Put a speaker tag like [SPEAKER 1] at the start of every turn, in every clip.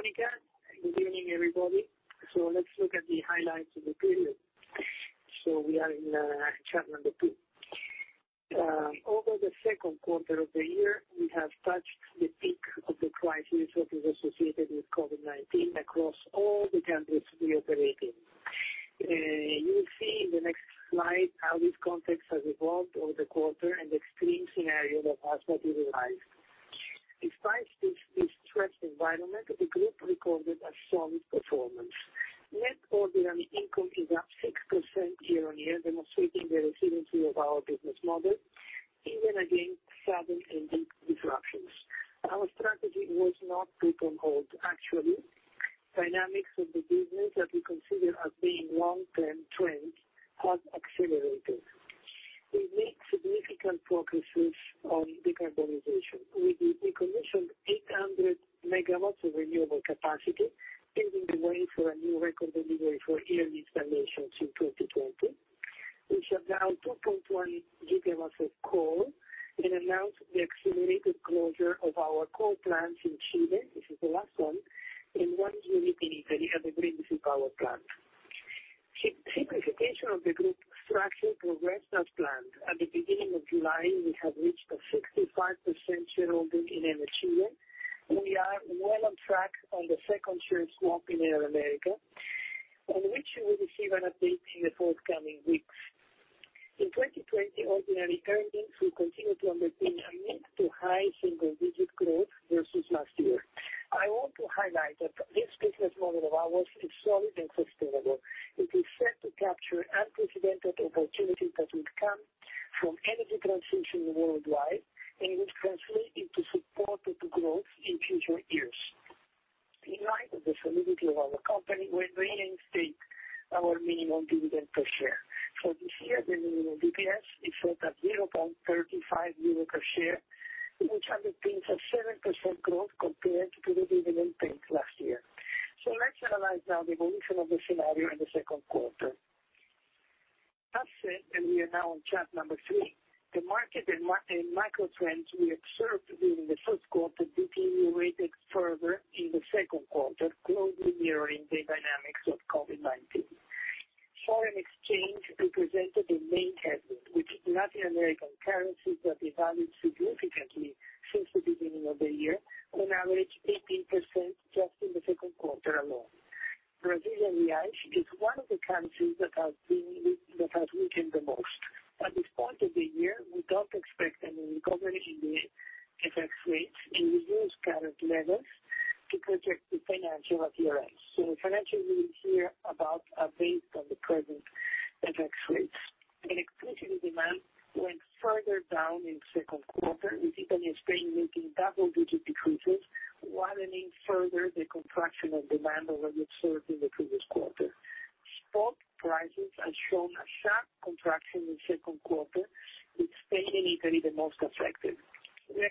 [SPEAKER 1] Thank you, Monica. Good evening, everybody. Let's look at the highlights of the period. We are in chapter number two. Over the second quarter of the year, we have touched the peak of the crisis that is associated with COVID-19 across all the countries we operate in. You will see in the next slide how this context has evolved over the quarter and the extreme scenario that has materialized. Despite this stressed environment, the group recorded a solid performance. Net ordinary income is up 6% year-on-year, demonstrating the resiliency of our business model, even against sudden and deep disruptions. Our strategy was not put on hold, actually. Dynamics of the business that we consider as being long-term trends have accelerated. We've made significant progress on decarbonization. We've reconditioned 800 MW of renewable capacity, paving the way for a new record delivery for earlier installations in 2020. We shut down 2.1 GW of coal and announced the accelerated closure of our coal plants in Chile, this is the last one, and one unit in Italy at the Civitavecchia Power Plant. Simplification of the group structure progressed as planned. At the beginning of July, we have reached a 65% shareholding in Enel Chile. We are well on track on the second share swap in Enel Américas, on which we will receive an update in the forthcoming weeks. In 2020, ordinary earnings will continue to underpin a mid to high single-digit growth versus last year. I want to highlight that this business model of ours is solid and sustainable. It is set to capture unprecedented opportunities that will come from energy transition worldwide, and it will translate into supported growth in future years. In light of the solidity of our company, we're maintaining our minimum dividend per share. For this year, the minimum EPS is set at 0.35 euro per share, which underpins a 7% growth compared to the dividend paid last year. Let's analyze now the evolution of the scenario in the second quarter. As said, we are now on chapter number three, the market and macro trends we observed during the first quarter deteriorated further in the second quarter, closely mirroring the dynamics of COVID-19. Foreign exchange represented the main headwind, with Latin American currencies that evolved significantly since the beginning of the year, on average 18% just in the second quarter alone. Brazilian real is one of the currencies that has weakened the most. At this point of the year, we don't expect any recovery in the FX rates and reduce current levels to protect the financial appearance. The financial rules here are based on the present FX rates. Electricity demand went further down in the second quarter, with Italy and Spain making double-digit decreases, widening further the contraction of demand already observed in the previous quarter. Spot prices have shown a sharp contraction in the second quarter, with Spain and Italy the most affected. We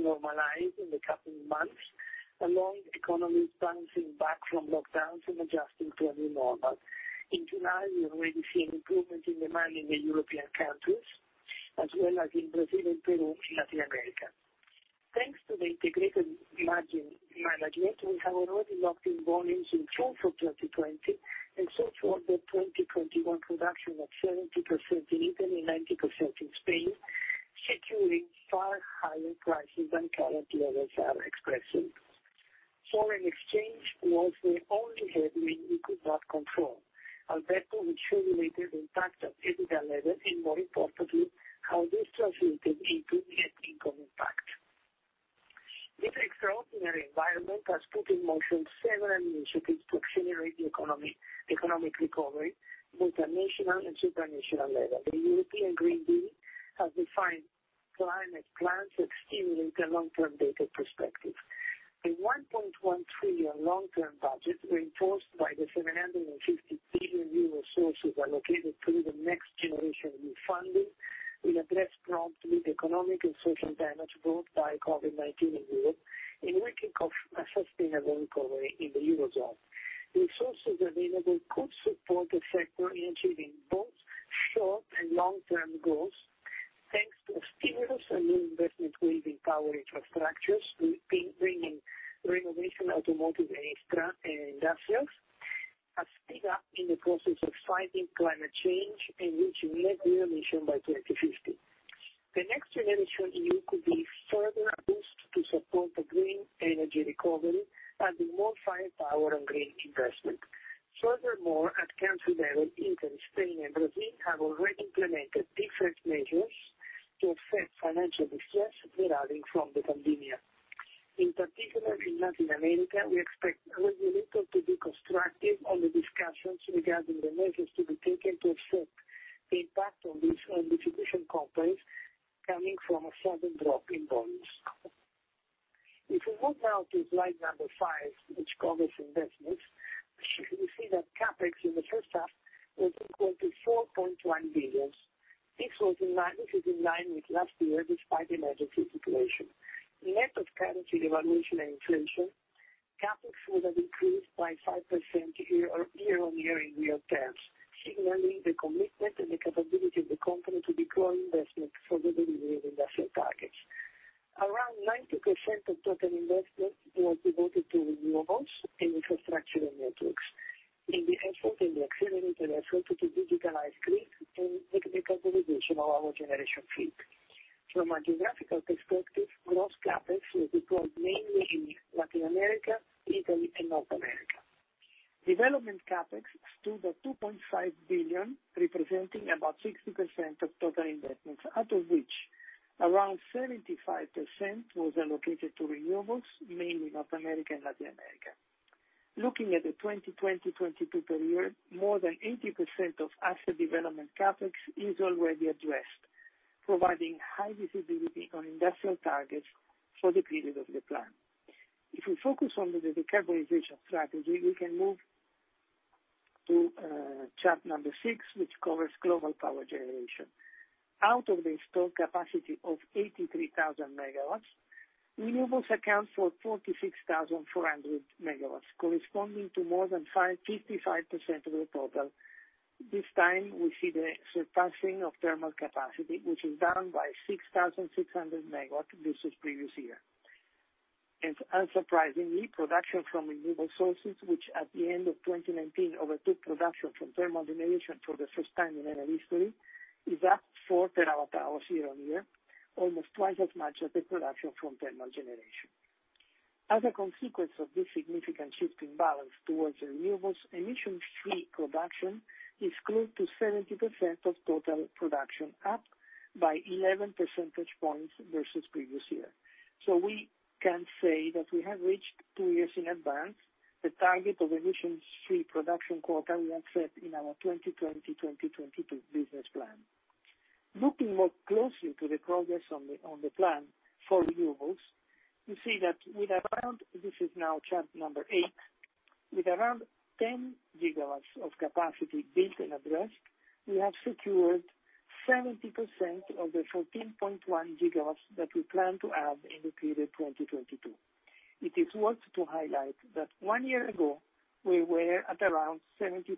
[SPEAKER 1] expect this trend to normalize in the coming months, along with economies bouncing back from lockdowns and adjusting to a new normal. In July, we already see an improvement in demand in the European countries, as well as in Brazil and Peru and Latin America. Thanks to the integrated margin management, we have already locked in volumes in full for 2020 and sold forward the 2021 production at 70% in Italy and 90% in Spain, securing far higher prices than current levels are expressing. Foreign exchange was the only headwind we could not control. Alberto will show related impact at every level, and more importantly, how this translated into net income impact. This extraordinary environment has put in motion several initiatives to accelerate the economic recovery both at national and supranational level. The European Green Deal has defined climate plans that stimulate the long-term data perspective. The 1.1 trillion long-term budget, reinforced by the 750 billion euro sources allocated through the Next Generation Funding, will address promptly the economic and social damage brought by COVID-19 in Europe and weaken sustainable recovery in the eurozone. The resources available could support the sector in achieving both short and long-term goals, thanks to stimulus and new investment waves in power infrastructures, bringing renovation, automotive, and industrials, a speed up in the process of fighting climate change and reaching net zero emission by 2050. The Next Generation EU could be further a boost to support the green energy recovery and more firepower on green investment. Furthermore, at country level, Italy, Spain, and Brazil have already implemented different measures to assess financial distress deriving from the pandemia. In particular, in Latin America, we expect regulator to be constructive on the discussions regarding the measures to be taken to assess the impact on these institutional companies coming from a sudden drop in volumes. If we move now to slide number five, which covers investments, you see that CAPEX in the first half was equal to 4.1 billion. This is in line with last year despite emergency situation. Net of currency devaluation and inflation, CAPEX would have increased by 5% year-on-year in real terms, signaling the commitment and the capability of the company to deploy investments for the delivery of investment targets. Around 90% of total investment was devoted to renewables and infrastructure and networks, in the effort and the accelerated effort to digitalize grid and the capitalization of our generation fleet. From a geographical perspective, gross CAPEX was deployed mainly in Latin America, Italy, and North America. Development CAPEX stood at 2.5 billion, representing about 60% of total investments, out of which around 75% was allocated to renewables, mainly North America and Latin America. Looking at the 2020-2022 period, more than 80% of asset development CAPEX is already addressed, providing high visibility on industrial targets for the period of the plan. If we focus on the decarbonization strategy, we can move to chapter number six, which covers global power generation. Out of the installed capacity of 83,000 MW, renewables account for 46,400 MW, corresponding to more than 55% of the total. This time, we see the surpassing of thermal capacity, which is down by 6,600 MW versus previous year. Unsurprisingly, production from renewable sources, which at the end of 2019 overtook production from thermal generation for the first time in energy history, is up 4 terawatt-hours year-on-year, almost twice as much as the production from thermal generation. As a consequence of this significant shift in balance towards renewables, emission-free production is close to 70% of total production, up by 11 percentage points versus previous year. We can say that we have reached two years in advance the target of emission-free production quota we had set in our 2020-2022 business plan. Looking more closely to the progress on the plan for renewables, we see that with around—this is now chapter number eight—with around 10 GW of capacity built and addressed, we have secured 70% of the 14.1 GW that we plan to add in the period 2022. It is worth to highlight that one year ago, we were at around 73%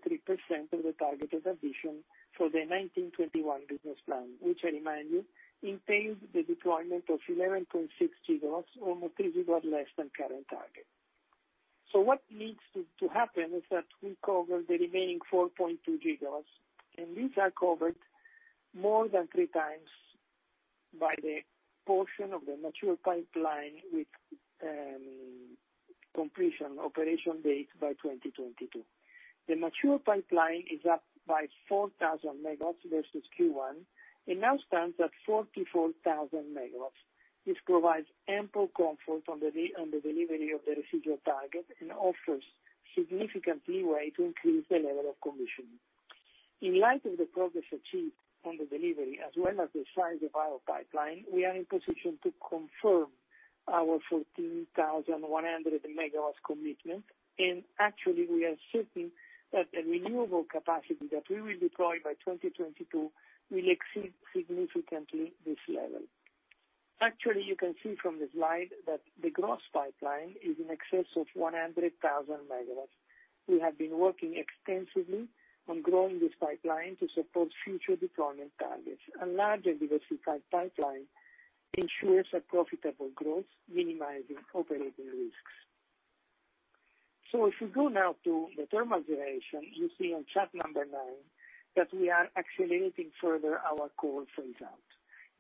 [SPEAKER 1] of the targeted addition for the 2019-2021 business plan, which, I remind you, entailed the deployment of 11.6 GW, almost 3 GW less than current target. What needs to happen is that we cover the remaining 4.2 GW, and these are covered more than three times by the portion of the mature pipeline with completion operation date by 2022. The mature pipeline is up by 4,000 MW versus Q1, and now stands at 44,000 MW. This provides ample comfort on the delivery of the residual target and offers significant leeway to increase the level of commissioning. In light of the progress achieved on the delivery, as well as the size of our pipeline, we are in position to confirm our 14,100 MW commitment, and actually, we are certain that the renewable capacity that we will deploy by 2022 will exceed significantly this level. Actually, you can see from the slide that the gross pipeline is in excess of 100,000 MW. We have been working extensively on growing this pipeline to support future deployment targets. A larger diversified pipeline ensures a profitable growth, minimizing operating risks. If we go now to the thermal generation, you see on chapter number nine that we are accelerating further our coal phase-out.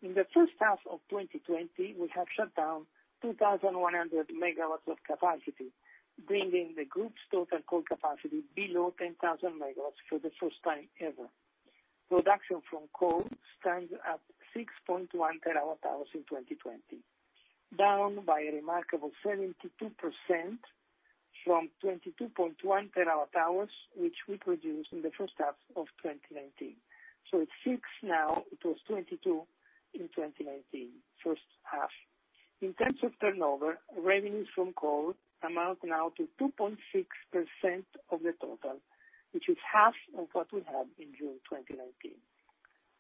[SPEAKER 1] In the first half of 2020, we have shut down 2,100 MW of capacity, bringing the group's total coal capacity below 10,000 MW for the first time ever. Production from coal stands at 6.1 TWh in 2020, down by a remarkable 72% from 22.1 TWh, which we produced in the first half of 2019. It is 6 now; it was 22 in 2019, first half. In terms of turnover, revenues from coal amount now to 2.6% of the total, which is half of what we had in June 2019.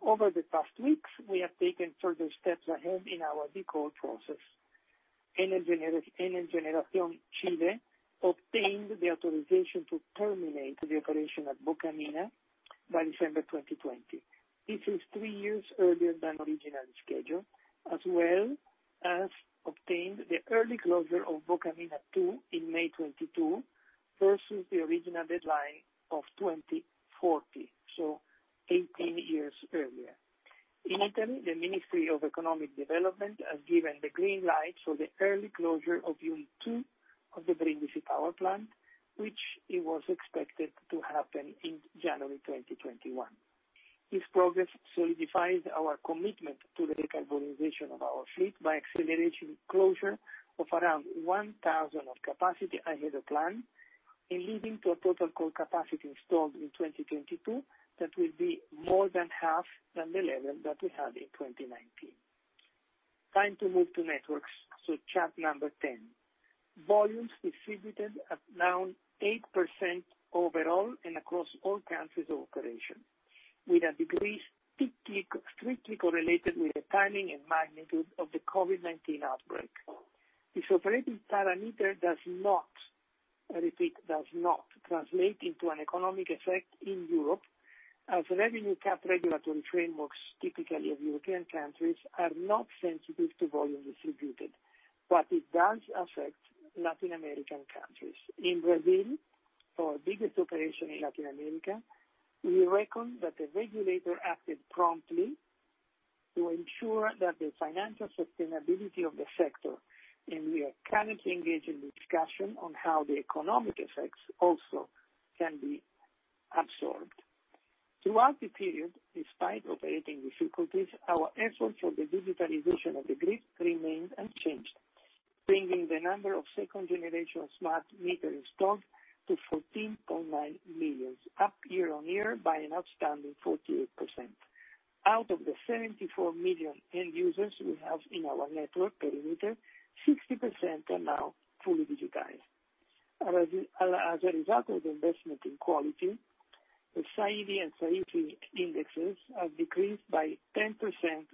[SPEAKER 1] Over the past weeks, we have taken further steps ahead in our decoal process. Enel Generación Chile obtained the authorization to terminate the operation at Bocamina by December 2020. This is three years earlier than originally scheduled, as well as obtained the early closure of Bocamina II in May 2022 versus the original deadline of 2040, so 18 years earlier. In Italy, the Ministry of Economic Development has given the green light for the early closure of Unit II of the Civitavecchia Power Plant, which it was expected to happen in January 2021. This progress solidifies our commitment to the decarbonization of our fleet by accelerating closure of around 1,000 of capacity ahead of plan, and leading to a total coal capacity installed in 2022 that will be more than half than the level that we had in 2019. Time to move to networks, chapter number ten. Volumes distributed at now 8% overall and across all countries of operation, with a degree strictly correlated with the timing and magnitude of the COVID-19 outbreak. This operating parameter does not I repeat does not translate into an economic effect in Europe, as revenue cap regulatory frameworks, typically of European countries, are not sensitive to volume distributed, but it does affect Latin American countries. In Brazil, our biggest operation in Latin America, we reckon that the regulator acted promptly to ensure the financial sustainability of the sector, and we are currently engaged in discussion on how the economic effects also can be absorbed. Throughout the period, despite operating difficulties, our efforts for the digitalization of the grid remained unchanged, bringing the number of second-generation smart meters installed to 14.9 million, up year-on-year by an outstanding 48%. Out of the 74 million end users we have in our network perimeter, 60% are now fully digitized. As a result of the investment in quality, the SAIDI and SAIFI indexes have decreased by 10%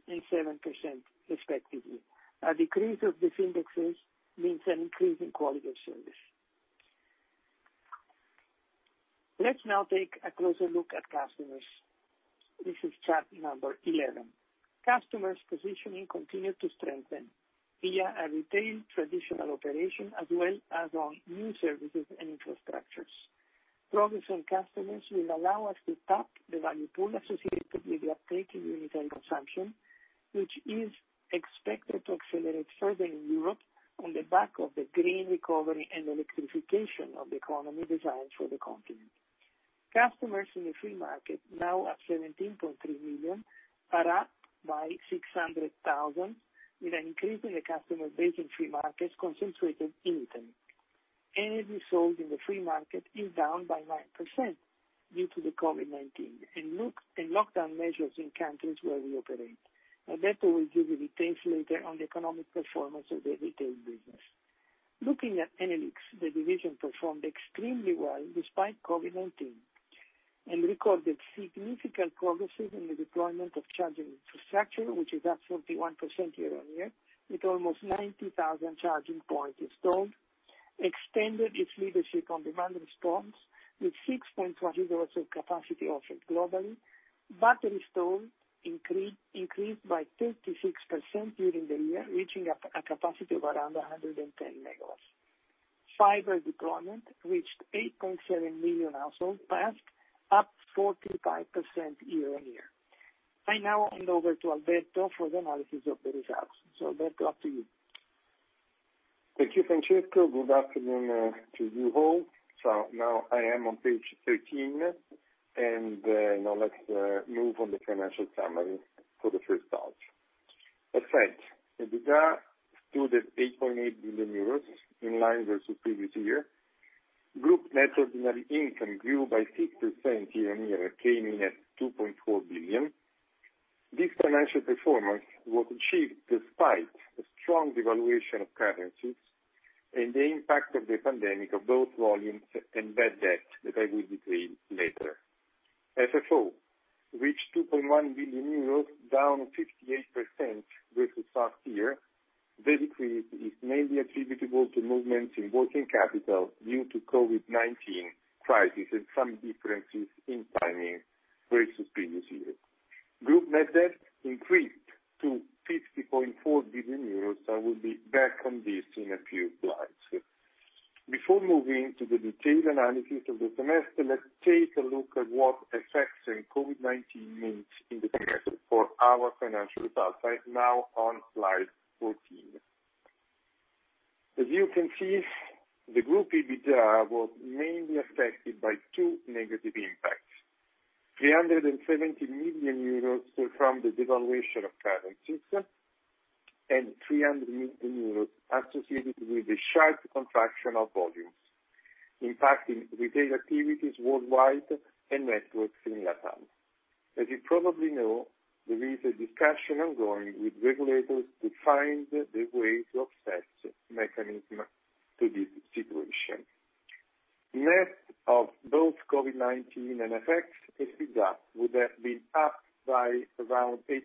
[SPEAKER 1] and 7%, respectively. A decrease of these indexes means an increase in quality of service. Let's now take a closer look at customers. This is chapter number 11. Customers' positioning continued to strengthen via a retail traditional operation, as well as on new services and infrastructures. Progress on customers will allow us to tap the value pool associated with the uptake in unitary consumption, which is expected to accelerate further in Europe on the back of the green recovery and electrification of the economy designed for the continent. Customers in the free market, now at 17.3 million, are up by 600,000, with an increase in the customer base in free markets concentrated in Italy. Energy sold in the free market is down by 9% due to the COVID-19 and lockdown measures in countries where we operate. Alberto will give you details later on the economic performance of the retail business. Looking at Enel X, the division performed extremely well despite COVID-19 and recorded significant progress in the deployment of charging infrastructure, which is up 41% year-on-year, with almost 90,000 charging points installed. Extended its leadership on demand response with 6.1 GW of capacity offered globally. Battery storage increased by 36% during the year, reaching a capacity of around 110 MW. Fiber deployment reached 8.7 million households passed, up 45% year-on-year. I now hand over to Alberto for the analysis of the results. Alberto, up to you.
[SPEAKER 2] Thank you, Francesco. Good afternoon to you all. I am now on page 13, and now let's move on to the financial summary for the first half. As said, EBITDA stood at 8.8 billion euros in line versus previous year. Group net ordinary income grew by 6% year-on-year, came in at 2.4 billion. This financial performance was achieved despite a strong devaluation of currencies and the impact of the pandemic of both volumes and bad debt that I will detail later. FFO reached 2.1 billion euros, down 58% versus last year. The decrease is mainly attributable to movements in working capital due to COVID-19 crisis and some differences in timing versus previous year. Group net debt increased to 50.4 billion euros. I will be back on this in a few slides. Before moving to the detailed analysis of the semester, let's take a look at what effects COVID-19 means in the semester for our financial results. I'm now on slide 14. As you can see, the group EBITDA was mainly affected by two negative impacts: 370 million euros from the devaluation of currencies and 300 million euros associated with a sharp contraction of volumes, impacting retail activities worldwide and networks in LatAm. As you probably know, there is a discussion ongoing with regulators to find the way to offset mechanisms to this situation. Net of both COVID-19 and effects, EBITDA would have been up by around 8%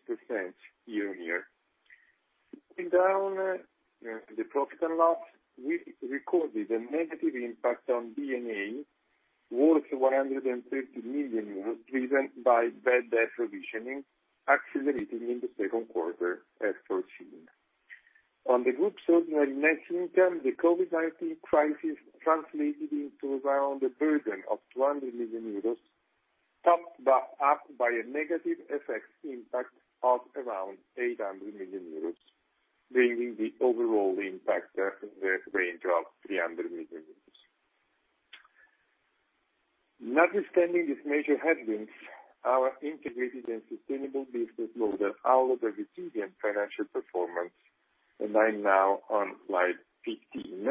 [SPEAKER 2] year-on-year. In down, the profit and loss recorded a negative impact on D&A, worth 130 million, driven by bad debt provisioning, accelerating in the second quarter, as foreseen. On the group's ordinary net income, the COVID-19 crisis translated into around a burden of 200 million euros, topped up by a negative effect impact of around 800 million euros, bringing the overall impact up in the range of 300 million euros. Notwithstanding these major headwinds, our integrated and sustainable business model outlook of its huge financial performance, and I am now on slide 15,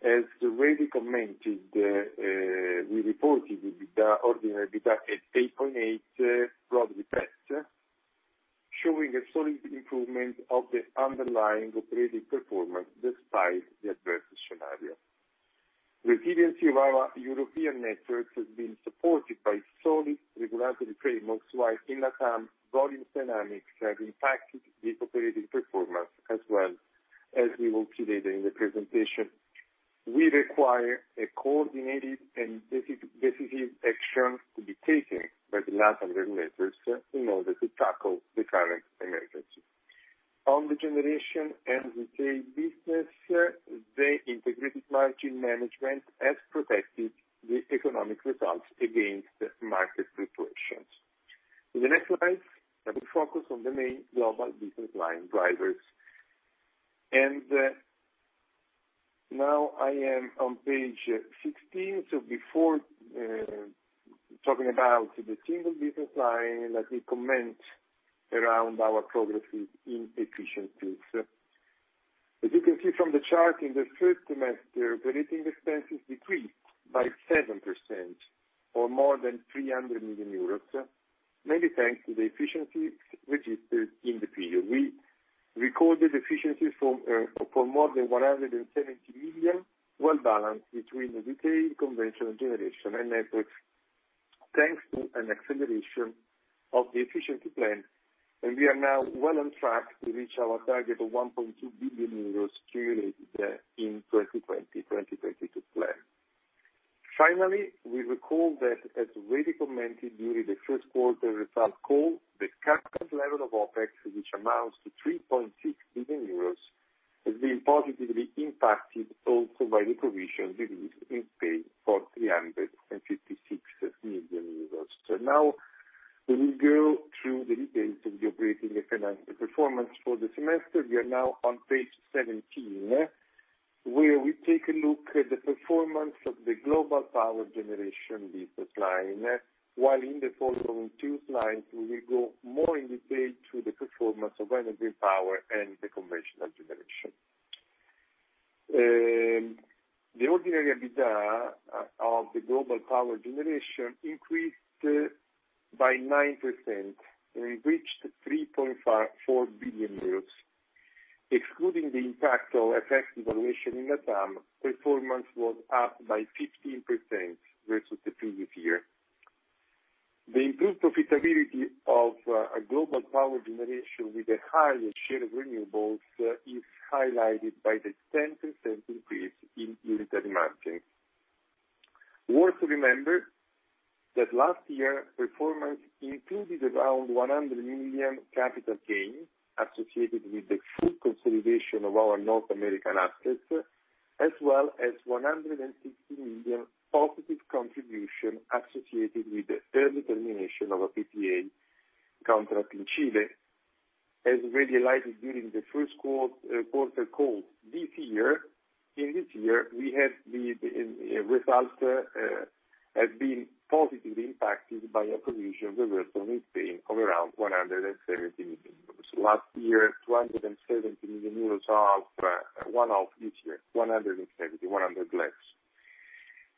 [SPEAKER 2] as already commented, we reported EBITDA, ordinary EBITDA at 8.8 billion, broadly best, showing a solid improvement of the underlying operating performance despite the adverse scenario. Resiliency of our European networks has been supported by solid regulatory frameworks, while in LatAm, volume dynamics have impacted the operating performance, as well as we will see later in the presentation. We require a coordinated and decisive action to be taken by the LatAm regulators in order to tackle the current emergency. On the generation and retail business, the integrated margin management has protected the economic results against market fluctuations. In the next slides, I will focus on the main global business line drivers. I am now on page 16. Before talking about the single business line, let me comment around our progress in efficiencies. As you can see from the chart, in the third semester, operating expenses decreased by 7%, or more than 300 million euros, mainly thanks to the efficiencies registered in the period. We recorded efficiencies for more than 170 million, well balanced between the retail, conventional generation, and networks, thanks to an acceleration of the efficiency plan. We are now well on track to reach our target of 1.2 billion euros cumulated in the 2020-2022 plan. Finally, we recall that, as already commented during the first quarter result call, the current level of OPEX, which amounts to 3.6 billion euros, has been positively impacted also by the provision release in Spain for 356 million euros. We will now go through the details of the operating and financial performance for the semester. We are now on page 17, where we take a look at the performance of the global power generation business line, while in the following two slides, we will go more in detail to the performance of renewable power and the conventional generation. The ordinary EBITDA of the global power generation increased by 9% and reached 3.4 billion euros. Excluding the impact of FX evaluation in LatAm, performance was up by 15% versus the previous year. The improved profitability of global power generation with a higher share of renewables is highlighted by the 10% increase in unitary margins. Worth to remember that last year, performance included around 100 million capital gain associated with the full consolidation of our North American assets, as well as 160 million positive contribution associated with the early termination of a PPA contract in Chile, as already highlighted during the first quarter call. This year, in this year, we have the results have been positively impacted by a provision reversal in Spain of around 170 million euros. Last year, 270 million euros off, one off this year, 170, 100 less.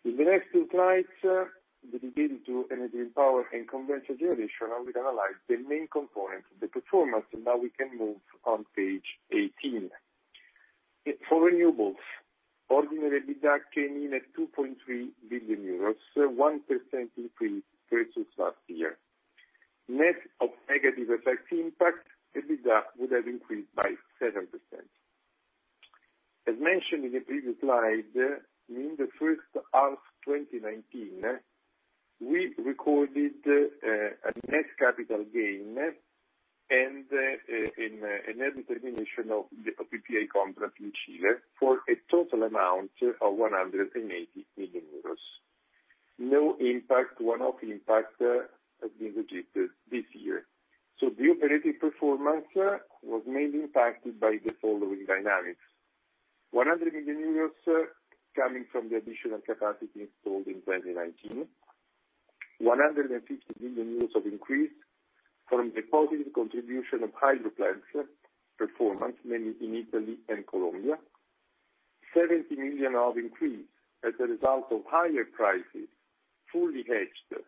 [SPEAKER 2] In the next two slides, dedicated to energy and power and conventional generation, we can analyze the main components of the performance, and now we can move on page 18. For renewables, ordinary EBITDA came in at 2.3 billion euros, 1% increase versus last year. Net of negative effect impact, EBITDA would have increased by 7%. As mentioned in the previous slide, in the first half of 2019, we recorded a net capital gain and a net determination of the PPA contract in Chile for a total amount of 180 million euros. No impact, one-off impact has been registered this year. The operating performance was mainly impacted by the following dynamics: 100 million euros coming from the additional capacity installed in 2019, 150 million euros of increase from the positive contribution of hydro plants performance, mainly in Italy and Colombia, 70 million of increase as a result of higher prices fully hedged,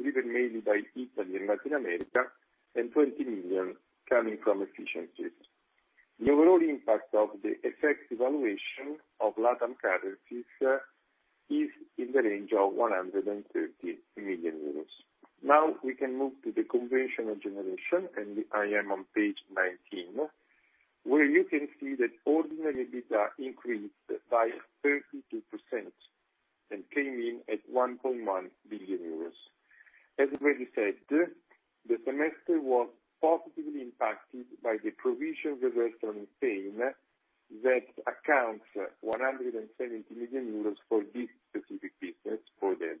[SPEAKER 2] driven mainly by Italy and Latin America, and 20 million coming from efficiencies. The overall impact of the effect evaluation of LatAm currencies is in the range of 130 million euros. Now we can move to the conventional generation, and I am on page 19, where you can see that ordinary EBITDA increased by 32% and came in at 1.1 billion euros. As already said, the semester was positively impacted by the provision reversal in Spain that accounts for 170 million euros for this specific business, for the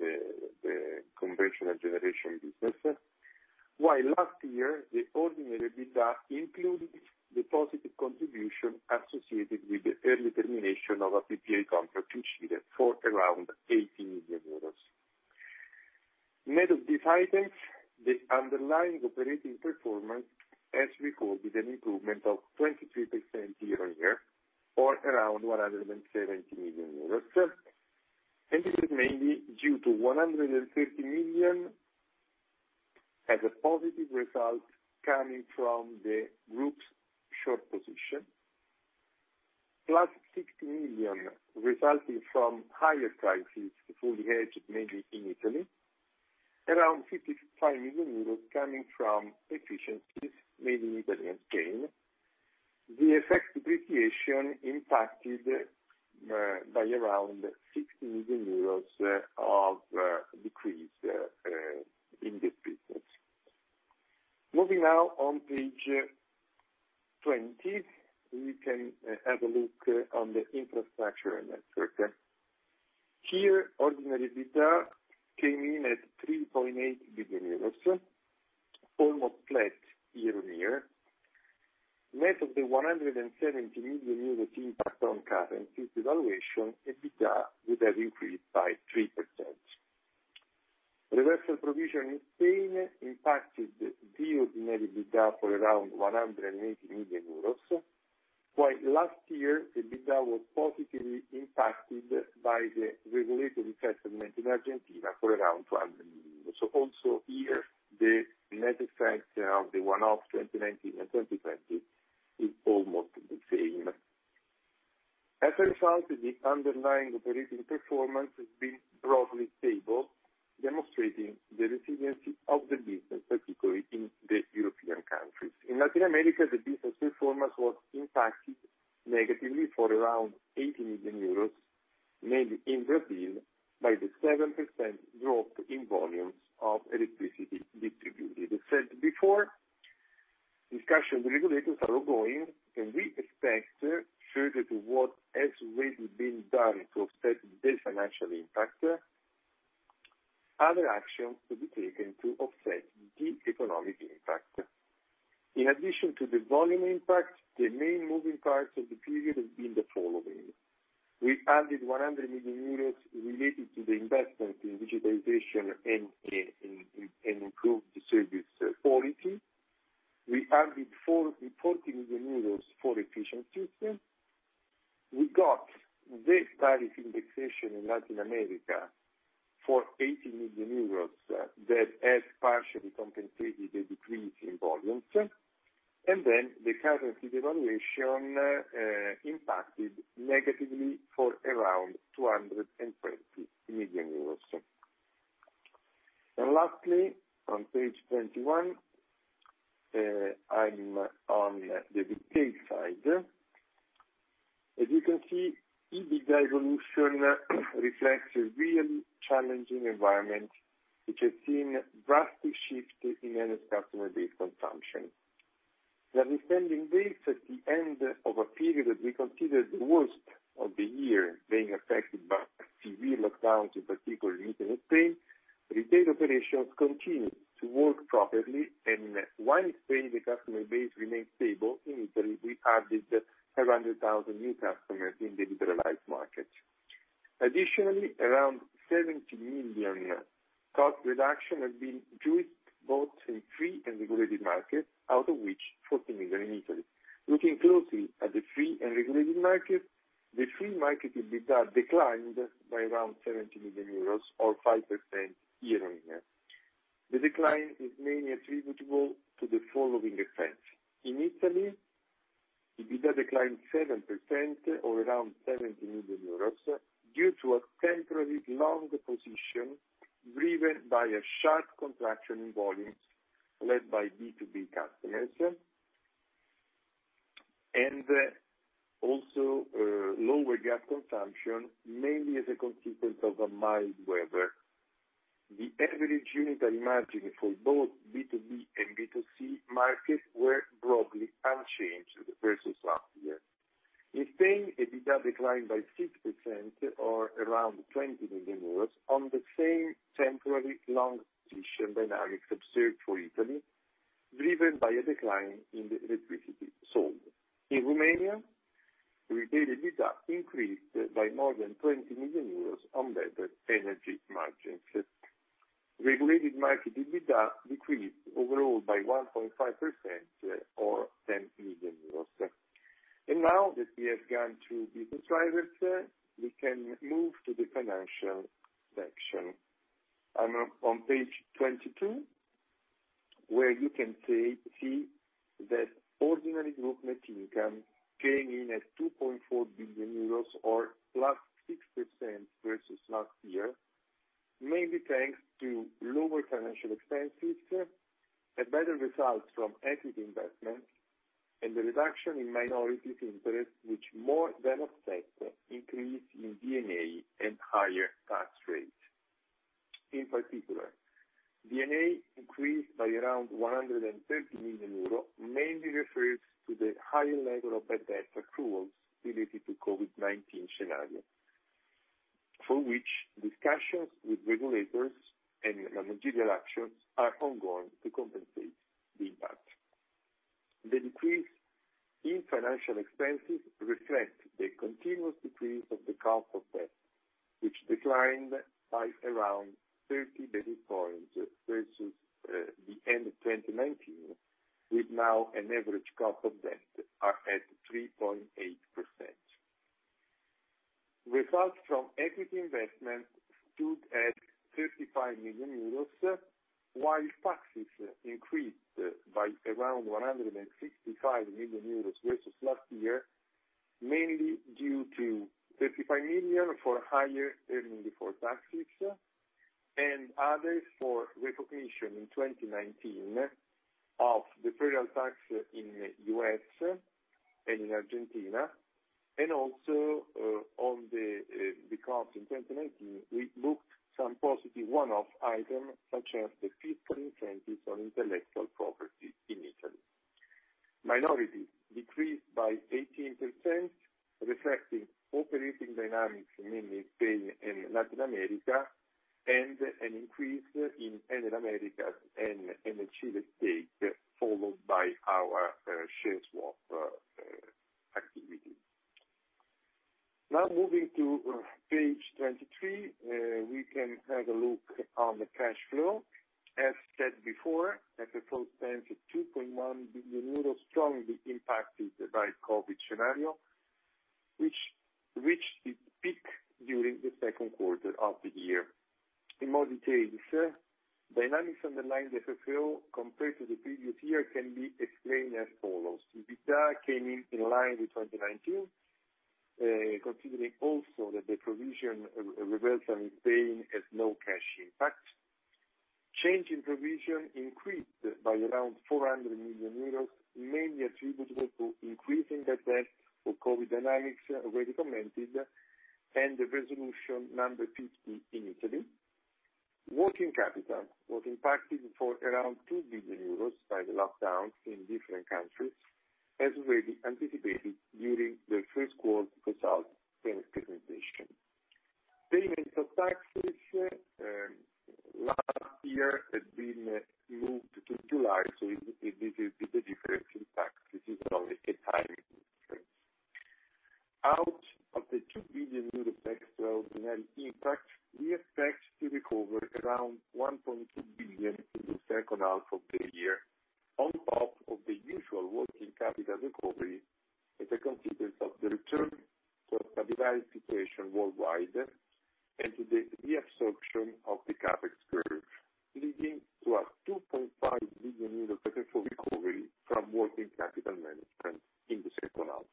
[SPEAKER 2] conventional generation business, while last year, the ordinary EBITDA included the positive contribution associated with the early termination of a PPA contract in Chile for around 80 million euros. Net of these items, the underlying operating performance has recorded an improvement of 23% year-on-year, or around 170 million euros. This is mainly due to 130 million as a positive result coming from the group's short position, plus 60 million resulting from higher prices fully hedged, mainly in Italy, around 55 million euros coming from efficiencies made in Italy and Spain. The effect depreciation impacted by around 60 million euros of decrease in this business. Moving now on page 20, we can have a look on the infrastructure network. Here, ordinary EBITDA came in at 3.8 billion euros, almost flat year-on-year. Net of the 170 million euros impact on currencies evaluation, EBITDA would have increased by 3%. Reversal provision in Spain impacted the ordinary EBITDA for around 180 million euros, while last year, EBITDA was positively impacted by the regulatory settlement in Argentina for around EUR 200 million. Also here, the net effect of the one-off 2019 and 2020 is almost the same. As a result, the underlying operating performance has been broadly stable, demonstrating the resiliency of the business, particularly in the European countries. In Latin America, the business performance was impacted negatively for around 80 million euros, mainly in Brazil, by the 7% drop in volumes of electricity distributed. As said before, discussions with regulators are ongoing, and we expect further to what has already been done to offset the financial impact, other actions to be taken to offset the economic impact. In addition to the volume impact, the main moving parts of the period have been the following. We added 100 million euros related to the investment in digitalization and improved service quality. We added 40 million euros for efficiencies. We got the tariff indexation in Latin America for 80 million euros that has partially compensated the decrease in volumes. The currency devaluation impacted negatively for around 220 million euros. Lastly, on page 21, I'm on the retail side. As you can see, EBITDA evolution reflects a really challenging environment, which has seen a drastic shift in energy customer base consumption. That is pending dates at the end of a period that we consider the worst of the year being affected by severe lockdowns, in particular in Italy and Spain. Retail operations continue to work properly, and while in Spain, the customer base remains stable. In Italy, we added 100,000 new customers in the liberalized market. Additionally, around 70 million cost reductions have been produced both in free and regulated markets, out of which 40 million in Italy. Looking closely at the free and regulated market, the free market EBITDA declined by around 70 million euros, or 5% year-on-year. The decline is mainly attributable to the following effects. In Italy, EBITDA declined 7%, or around 70 million euros, due to a temporary long position driven by a sharp contraction in volumes led by B2B customers and also lower gas consumption, mainly as a consequence of mild weather. The average unitary margin for both B2B and B2C markets were broadly unchanged versus last year. In Spain, EBITDA declined by 6%, or around 20 million euros, on the same temporary long position dynamics observed for Italy, driven by a decline in the electricity sold. In Romania, retail EBITDA increased by more than 20 million euros on better energy margins. Regulated market EBITDA decreased overall by 1.5%, or 10 million euros. Now that we have gone through business drivers, we can move to the financial section. I'm on page 22, where you can see that ordinary group net income came in at 2.4 billion euros, or +6% versus last year, mainly thanks to lower financial expenses, a better result from equity investments, and the reduction in minority interest, which more than offset the increase in D&A and higher tax rates. In particular, D&A increased by around 130 million euro, mainly referred to the higher level of bad debt accruals related to the COVID-19 scenario, for which discussions with regulators and managerial actions are ongoing to compensate the impact. The decrease in financial expenses reflects the continuous decrease of the cost of debt, which declined by around 30 basis points versus the end of 2019, with now an average cost of debt at 3.8%. Results from equity investment stood at 35 million euros, while taxes increased by around 165 million euros versus last year, mainly due to 35 million for higher earnings before taxes and others for recognition in 2019 of the federal tax in the U.S. and in Argentina. Also on the cost in 2019, we booked some positive one-off items, such as the fiscal incentives on intellectual property in Italy. Minorities decreased by 18%, reflecting operating dynamics mainly in Spain and Latin America, and an increase in energy and energy estate, followed by our share swap activity. Now moving to page 23, we can have a look on the cash flow. As said before, FFO spent 2.1 billion euros, strongly impacted by the COVID scenario, which reached its peak during the second quarter of the year. In more detail, the dynamics underlying the FFO compared to the previous year can be explained as follows. EBITDA came in in line with 2019, considering also that the provision reversal in Spain has no cash impact. Change in provision increased by around 400 million euros, mainly attributable to increasing bad debt for COVID dynamics already commented and the resolution number 50 in Italy. Working capital was impacted for around 2 billion euros by the lockdowns in different countries, as already anticipated during the first quarter result of the presentation. Payments of taxes last year had been moved to July, so this is the difference in taxes. This is only a timing difference. Out of the 2 billion euro extraordinary impact, we expect to recover around 1.2 billion in the second half of the year, on top of the usual working capital recovery as a consequence of the return to a stabilized situation worldwide and to the reabsorption of the CapEx curve, leading to a 2.5 billion euro FFO recovery from working capital management in the second half.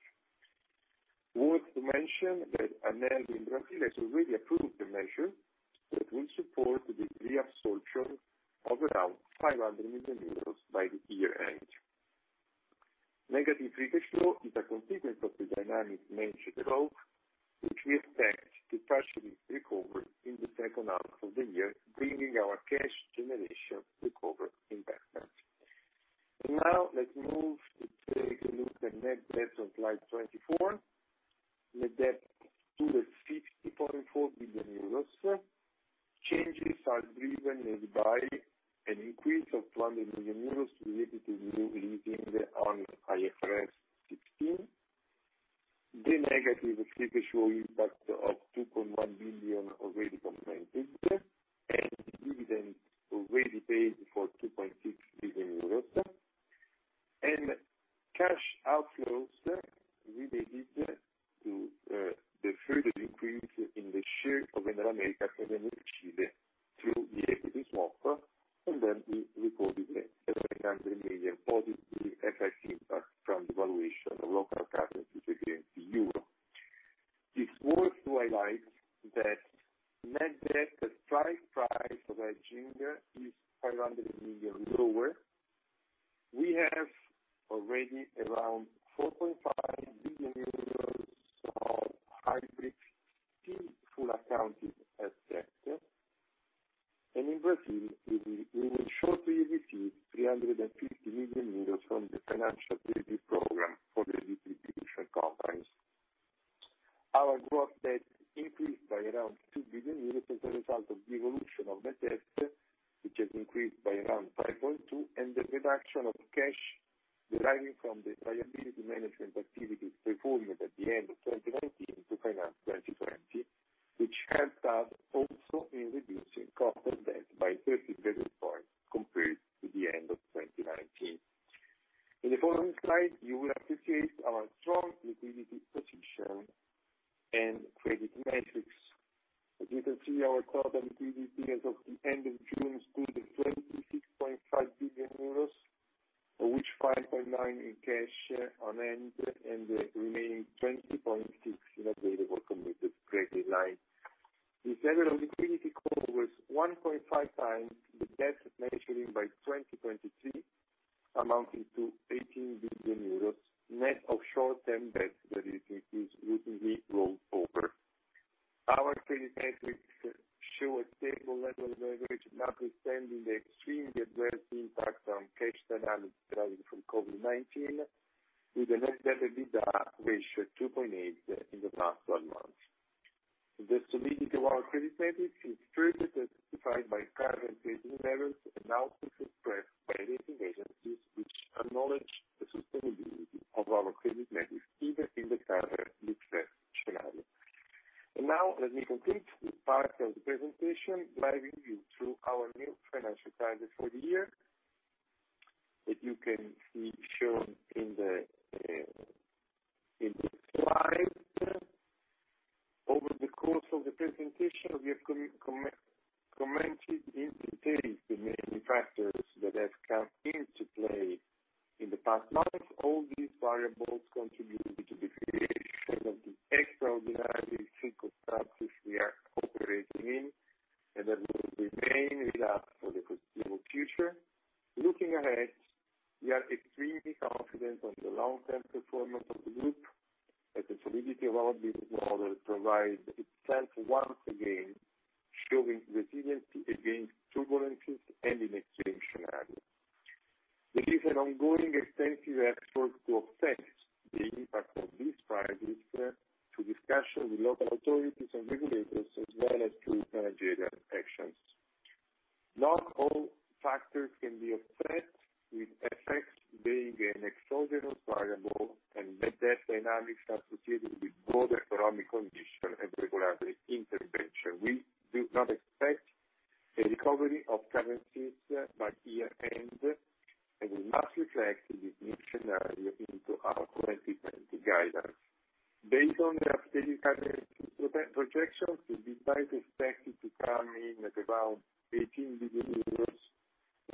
[SPEAKER 2] Worth to mention that Enel in Brazil has already approved the measure that will support the reabsorption of around 500 million euros by the year-end. Negative free cash flow is a consequence of the dynamics mentioned above, which we expect to partially recover in the second half of the year, bringing our cash generation recovered investments. Now let's move to take a look at net debt on slide 24. Net debt stood at 60.4 billion euros. Changes are driven by an increase of 200 million euros related to new leasing on IFRS 16, the negative free cash flow impact of EUR 2.1 billion already commented, through discussions with local authorities and regulators, as well as through managerial actions. Not all factors can be offset, with FX being an exogenous variable and net debt dynamics associated with broader economic conditions and regulatory intervention. We do not expect a recovery of currencies by year-end, and we must reflect this new scenario into our 2020 guidance. Based on the updated currency projections, the deep dive is expected to come in at around 18 billion euros,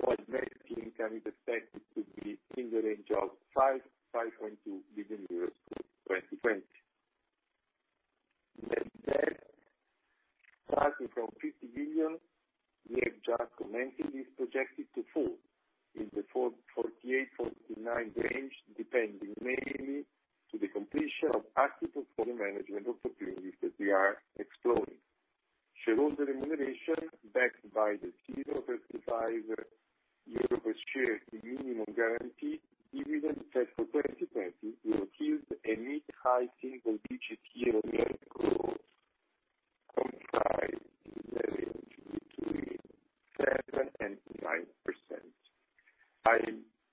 [SPEAKER 2] while net income is expected to be in the range of 5.2 billion euros for 2020. Net debt starting from 50 billion, we have just commented, is projected to fall in the 48-49 billion range, depending mainly on the completion of articles for the management opportunities that we are exploring. Shareholder remuneration backed by the 0.35 euro per share minimum guarantee dividend set for 2020 will achieve a mid-high single digit year-on-year growth comprised in the range between 7% and 9%. I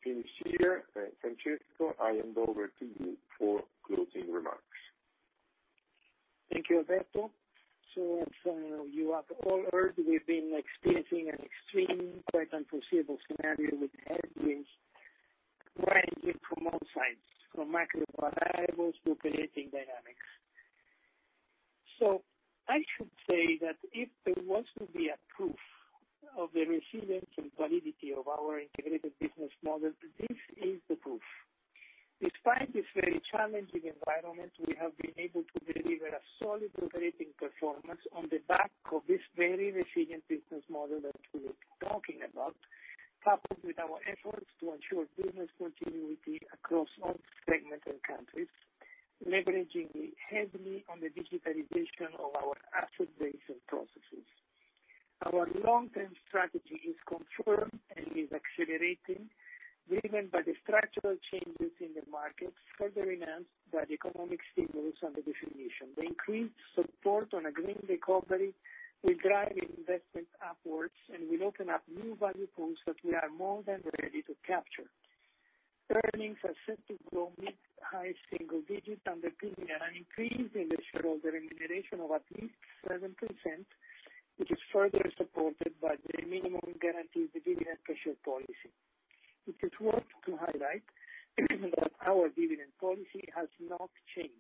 [SPEAKER 2] finish here, Francesco. I hand over to you for closing remarks.
[SPEAKER 1] Thank you, Alberto. As you have all heard, we've been experiencing an extreme, quite unforeseeable scenario with headwinds ranging from all sides, from macro variables to operating dynamics. I should say that if there was to be a proof of the resilience and validity of our integrated business model, this is the proof. Despite this very challenging environment, we have been able to deliver a solid operating performance on the back of this very resilient business model that we're talking about, coupled with our efforts to ensure business continuity across all segments and countries, leveraging heavily on the digitalization of our asset-based processes. Our long-term strategy is confirmed and is accelerating, driven by the structural changes in the markets, further enhanced by the economic stimulus and the definition. The increased support on a green recovery will drive investment upwards and will open up new value pools that we are more than ready to capture. Earnings are set to grow mid-high single digits, underpinning an increase in the shareholder remuneration of at least 7%, which is further supported by the minimum guaranteed dividend pressure policy. It is worth to highlight that our dividend policy has not changed,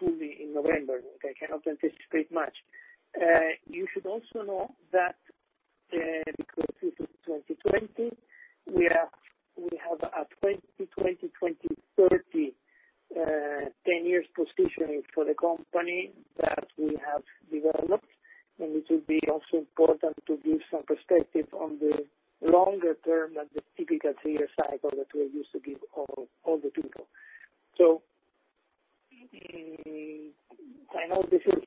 [SPEAKER 1] fully in November, which I cannot anticipate much. You should also know that because this is 2020, we have a 2020-2030 10-year positioning for the company that we have developed, and it will be also important to give some perspective on the longer-term than the typical three-year cycle that we're used to give all the people. I know this is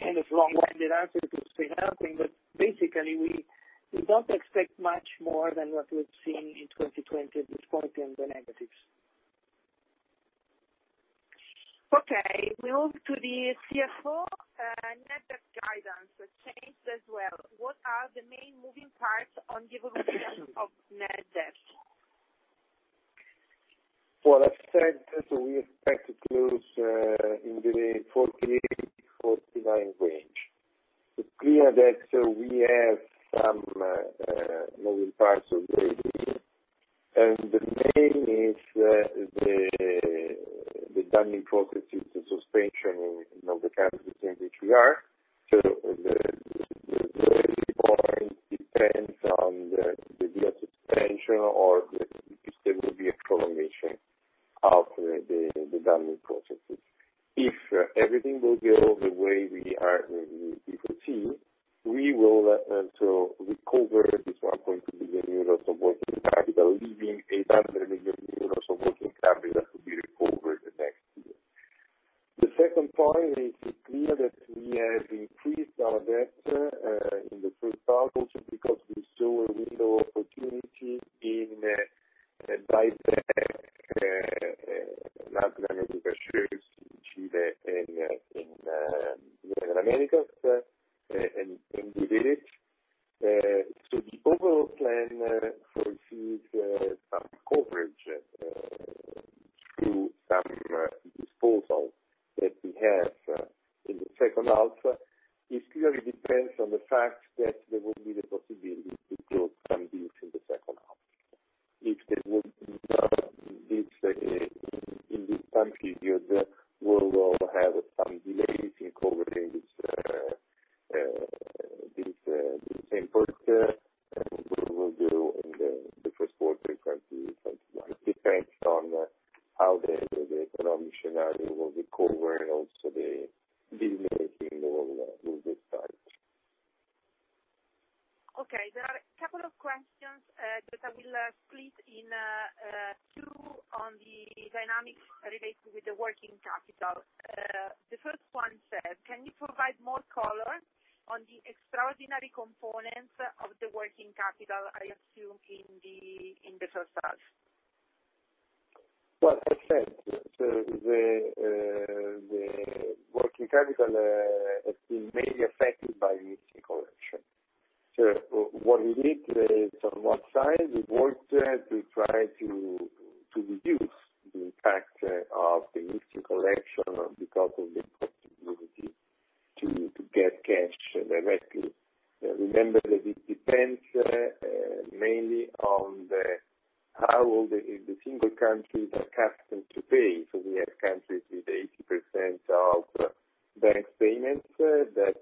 [SPEAKER 1] kind of a long-winded answer to explain everything, but basically, we do not expect much more than what we've seen in 2020 at this point in the negatives.
[SPEAKER 3] Okay. We move to the CFO net debt guidance, which changed as well. What are the main moving parts on the evolution of net debt?
[SPEAKER 2] As I said, we expect to close in the 48 billion-49 billion range. It is clear that we have some moving parts of the year, and the main is the dumping processes and suspension of the currencies in which we are. The early point depends on the real suspension or if there will be a prolongation of the dumping processes. If everything will go the way we foresee, we will recover 1.2 billion euros of working capital, leaving 800 million euros of working capital to be recovered the next year. The second point is, it's clear that we have increased our debt in the first half, also because we saw a window of opportunity in buy-back Latin America shares in Chile and in Latin America, and we did it. The overall plan foresees some coverage through some disposals that we have in the second half. It clearly depends on the fact that there will be the possibility to close some deals in the second half. If there will be no deals in this time period, we will have some delays in covering these imports that we will do in the first quarter of 2021, depending on how the economic scenario will recover and also the deal-making will decide.
[SPEAKER 3] Okay. There are a couple of questions that I will split in two on the dynamics related with the working capital. The first one says, "Can you provide more color on the extraordinary components of the working capital, I assume, in the first half?"
[SPEAKER 2] As I said, the working capital has been mainly affected by the listing collection. What we did from one side, we worked to try to reduce the impact of the listing collection because of the possibility to get cash directly. Remember that it depends mainly on how the single countries are accustomed to pay. We have countries with 80% of bank payments that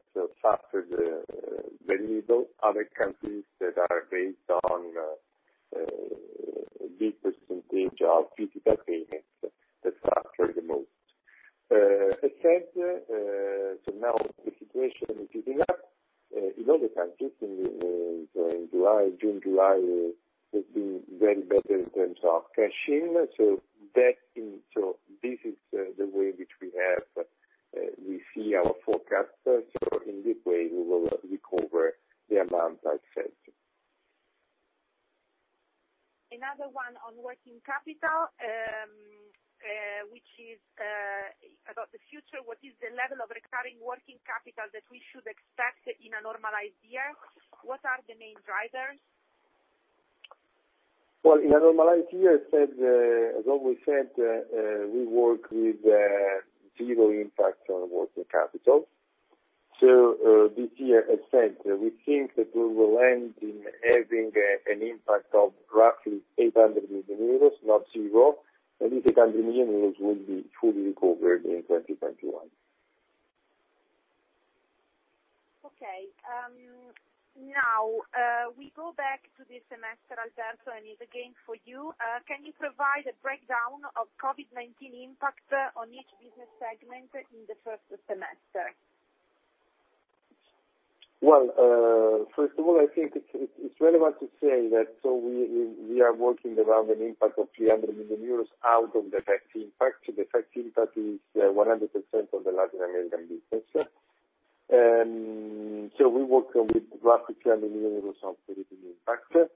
[SPEAKER 2] suffer the little. Other countries that are based on a big percentage of physical payments that suffer the most. As I said, now the situation is heating up in other countries. In June, July has been very bad in terms of cashing. This is the way in which we see our forecast. In this way, we will recover the amount I said.
[SPEAKER 3] Another one on working capital, which is about the future. What is the level of recurring working capital that we should expect in a normalized year? What are the main drivers?
[SPEAKER 2] In a normalized year, as always said, we work with zero impact on working capital. This year, as I said, we think that we will end in having an impact of roughly 800 million euros, not zero. This 800 million euros will be fully recovered in 2021.
[SPEAKER 3] Okay. Now, we go back to this semester, Alberto, and it is again for you. Can you provide a breakdown of COVID-19 impact on each business segment in the first semester?
[SPEAKER 2] First of all, I think it is relevant to say that we are working around an impact of 300 million euros out of the FX impact. The FX impact is 100% on the Latin American business. We work with roughly 300 million of the impact.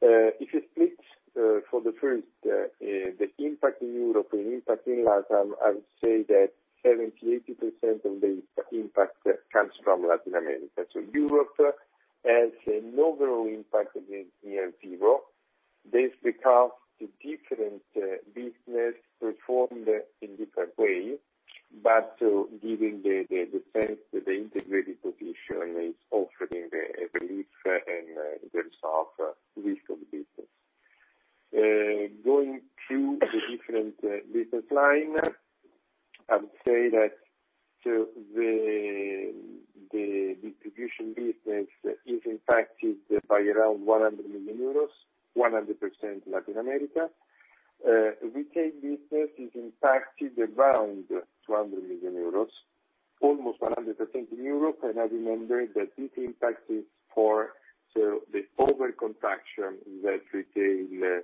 [SPEAKER 2] If you split for the first, the impact in Europe and impact in Latam, I would say that 70%-80% of the impact comes from Latin America. Europe has an overall impact of near zero. This is because the different businesses performed in different ways, but given the sense that the integrated position is offering a relief in terms of risk of the business. Going through the different business lines, I would say that the distribution business is impacted by around 100 million euros, 100% Latin America. Retail business is impacted around 200 million euros, almost 100% in Europe. I remember that this impact is for the overcontraction that retail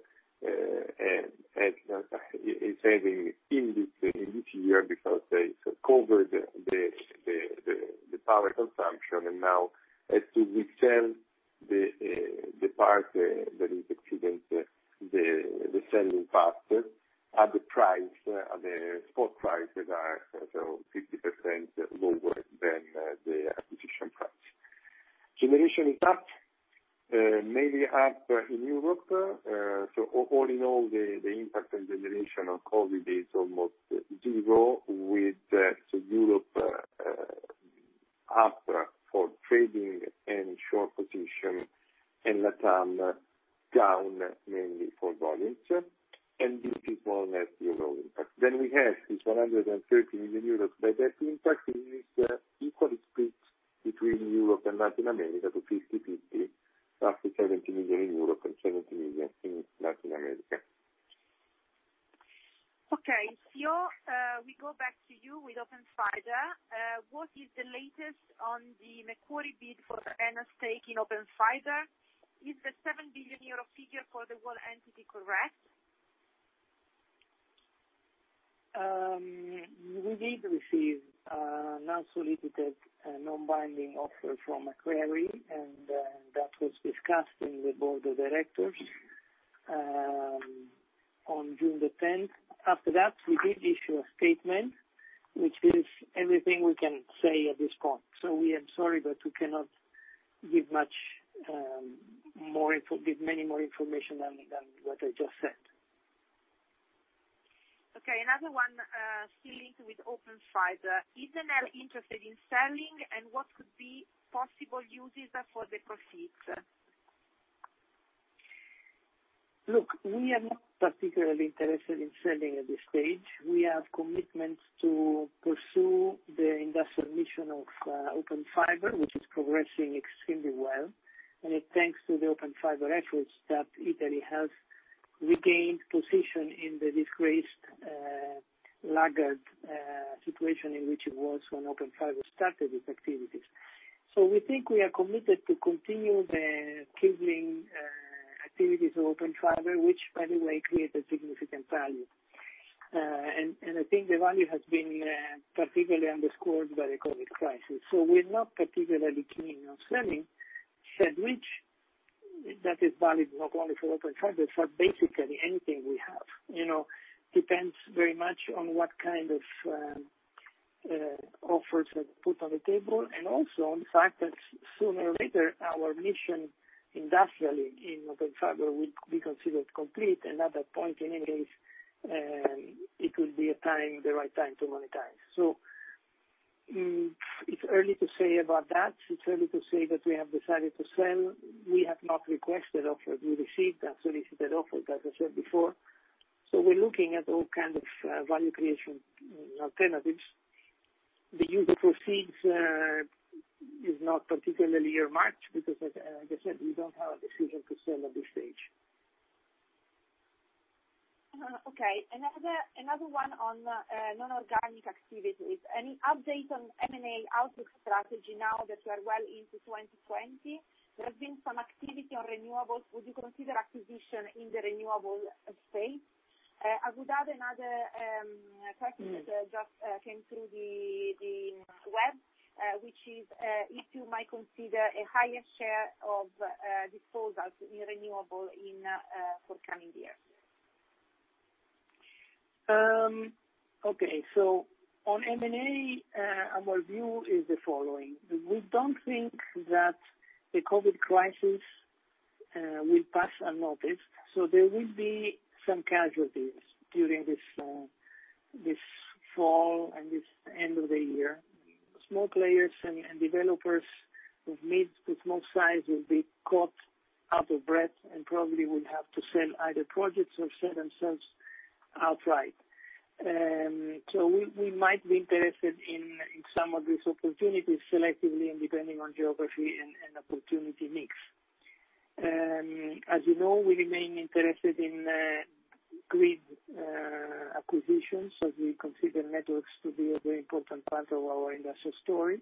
[SPEAKER 2] is having in this year because they covered the power consumption. Now, as we sell the part that is exceeding the selling part at the price, at the spot price, that are 50% lower than the acquisition price. Generation is up, mainly up in Europe. All in all, the impact on generation on COVID is almost zero, with Europe up for trading and short position, and Latin America down mainly for volumes. This is more or less the overall impact. We have this 130 million euros by that impact. It is equally split between Europe and Latin America, 50-50, roughly EUR 70 million in Europe and EUR 70 million in Latin America.
[SPEAKER 3] Okay. We go back to you with Open Fiber. What is the latest on the Macquarie bid for the Enel stake in Open Fiber? Is the 7 billion euro figure for the world entity correct?
[SPEAKER 1] We did receive an unsolicited non-binding offer from Macquarie, and that was discussed in the board of directors on June 10. After that, we did issue a statement, which is everything we can say at this point. We are sorry, but we cannot give many more information than what I just said.
[SPEAKER 3] Okay. Another one linked with Open Fiber. Is Enel interested in selling, and what could be possible uses for the profits?
[SPEAKER 1] Look, we are not particularly interested in selling at this stage. We have commitments to pursue the industrial mission of Open Fiber, which is progressing extremely well. It is thanks to the Open Fiber efforts that Italy has regained position in the disgraced, laggard situation in which it was when Open Fiber started its activities. We think we are committed to continue the cabling activities of Open Fiber, which, by the way, created significant value. I think the value has been particularly underscored by the COVID crisis. We are not particularly keen on selling, said which that is valid not only for Open Fiber, but for basically anything we have. It depends very much on what kind of offers are put on the table, and also on the fact that sooner or later, our mission industrially in Open Fiber will be considered complete. At that point, in any case, it will be the right time to monetize. It is early to say about that. It is early to say that we have decided to sell. We have not requested offers. We received unsolicited offers, as I said before. We are looking at all kinds of value creation alternatives. The use of proceeds is not particularly earmarked because, as I said, we do not have a decision to sell at this stage.
[SPEAKER 3] Okay. Another one on non-organic activities. Any update on M&A outlook strategy now that we are well into 2020? There has been some activity on renewables. Would you consider acquisition in the renewable space? I would add another question that just came through the web, which is if you might consider a higher share of disposals in renewables in the forthcoming years.
[SPEAKER 1] Okay. On M&A, our view is the following. We do not think that the COVID crisis will pass unnoticed. There will be some casualties during this fall and this end of the year. Small players and developers of mid to small size will be caught out of breath and probably will have to sell either projects or sell themselves outright. We might be interested in some of these opportunities selectively and depending on geography and opportunity mix. As you know, we remain interested in grid acquisitions, as we consider networks to be a very important part of our industrial story.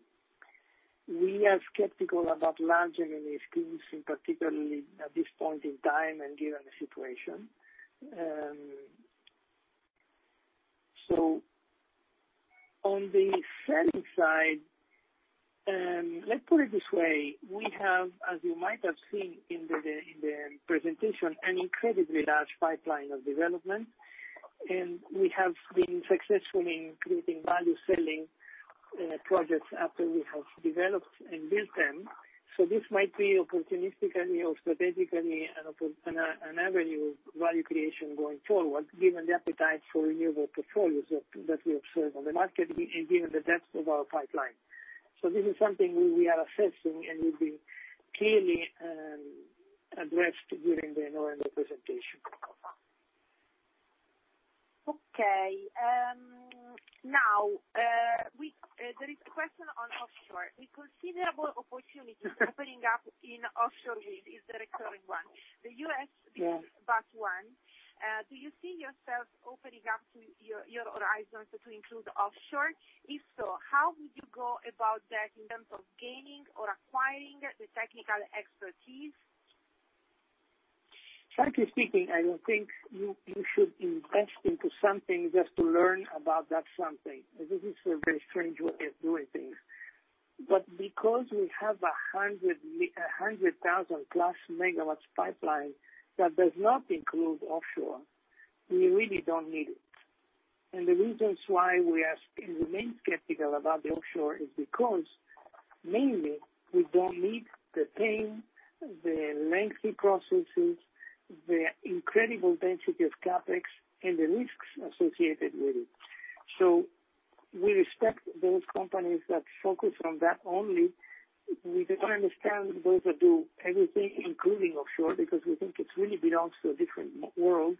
[SPEAKER 1] We are skeptical about large M&A schemes, particularly at this point in time and given the situation. On the selling side, let's put it this way. We have, as you might have seen in the presentation, an incredibly large pipeline of development, and we have been successful in creating value selling projects after we have developed and built them. This might be opportunistically or strategically an avenue of value creation going forward, given the appetite for renewable portfolios that we observe on the market and given the depth of our pipeline. This is something we are assessing, and it will be clearly addressed during the November presentation.
[SPEAKER 3] Okay. Now, there is a question on offshore. A considerable opportunity opening up in offshore wind is the recurring one. The U.S. bust one. Do you see yourself opening up your horizons to include offshore? If so, how would you go about that in terms of gaining or acquiring the technical expertise?
[SPEAKER 1] Frankly speaking, I don't think you should invest into something just to learn about that something. This is a very strange way of doing things. Because we have a 100,000-plus MW pipeline that does not include offshore, we really don't need it. The reasons why we are remaining skeptical about the offshore is because, mainly, we don't need the pain, the lengthy processes, the incredible density of CapEx, and the risks associated with it. We respect those companies that focus on that only. We don't understand those that do everything, including offshore, because we think it really belongs to a different world.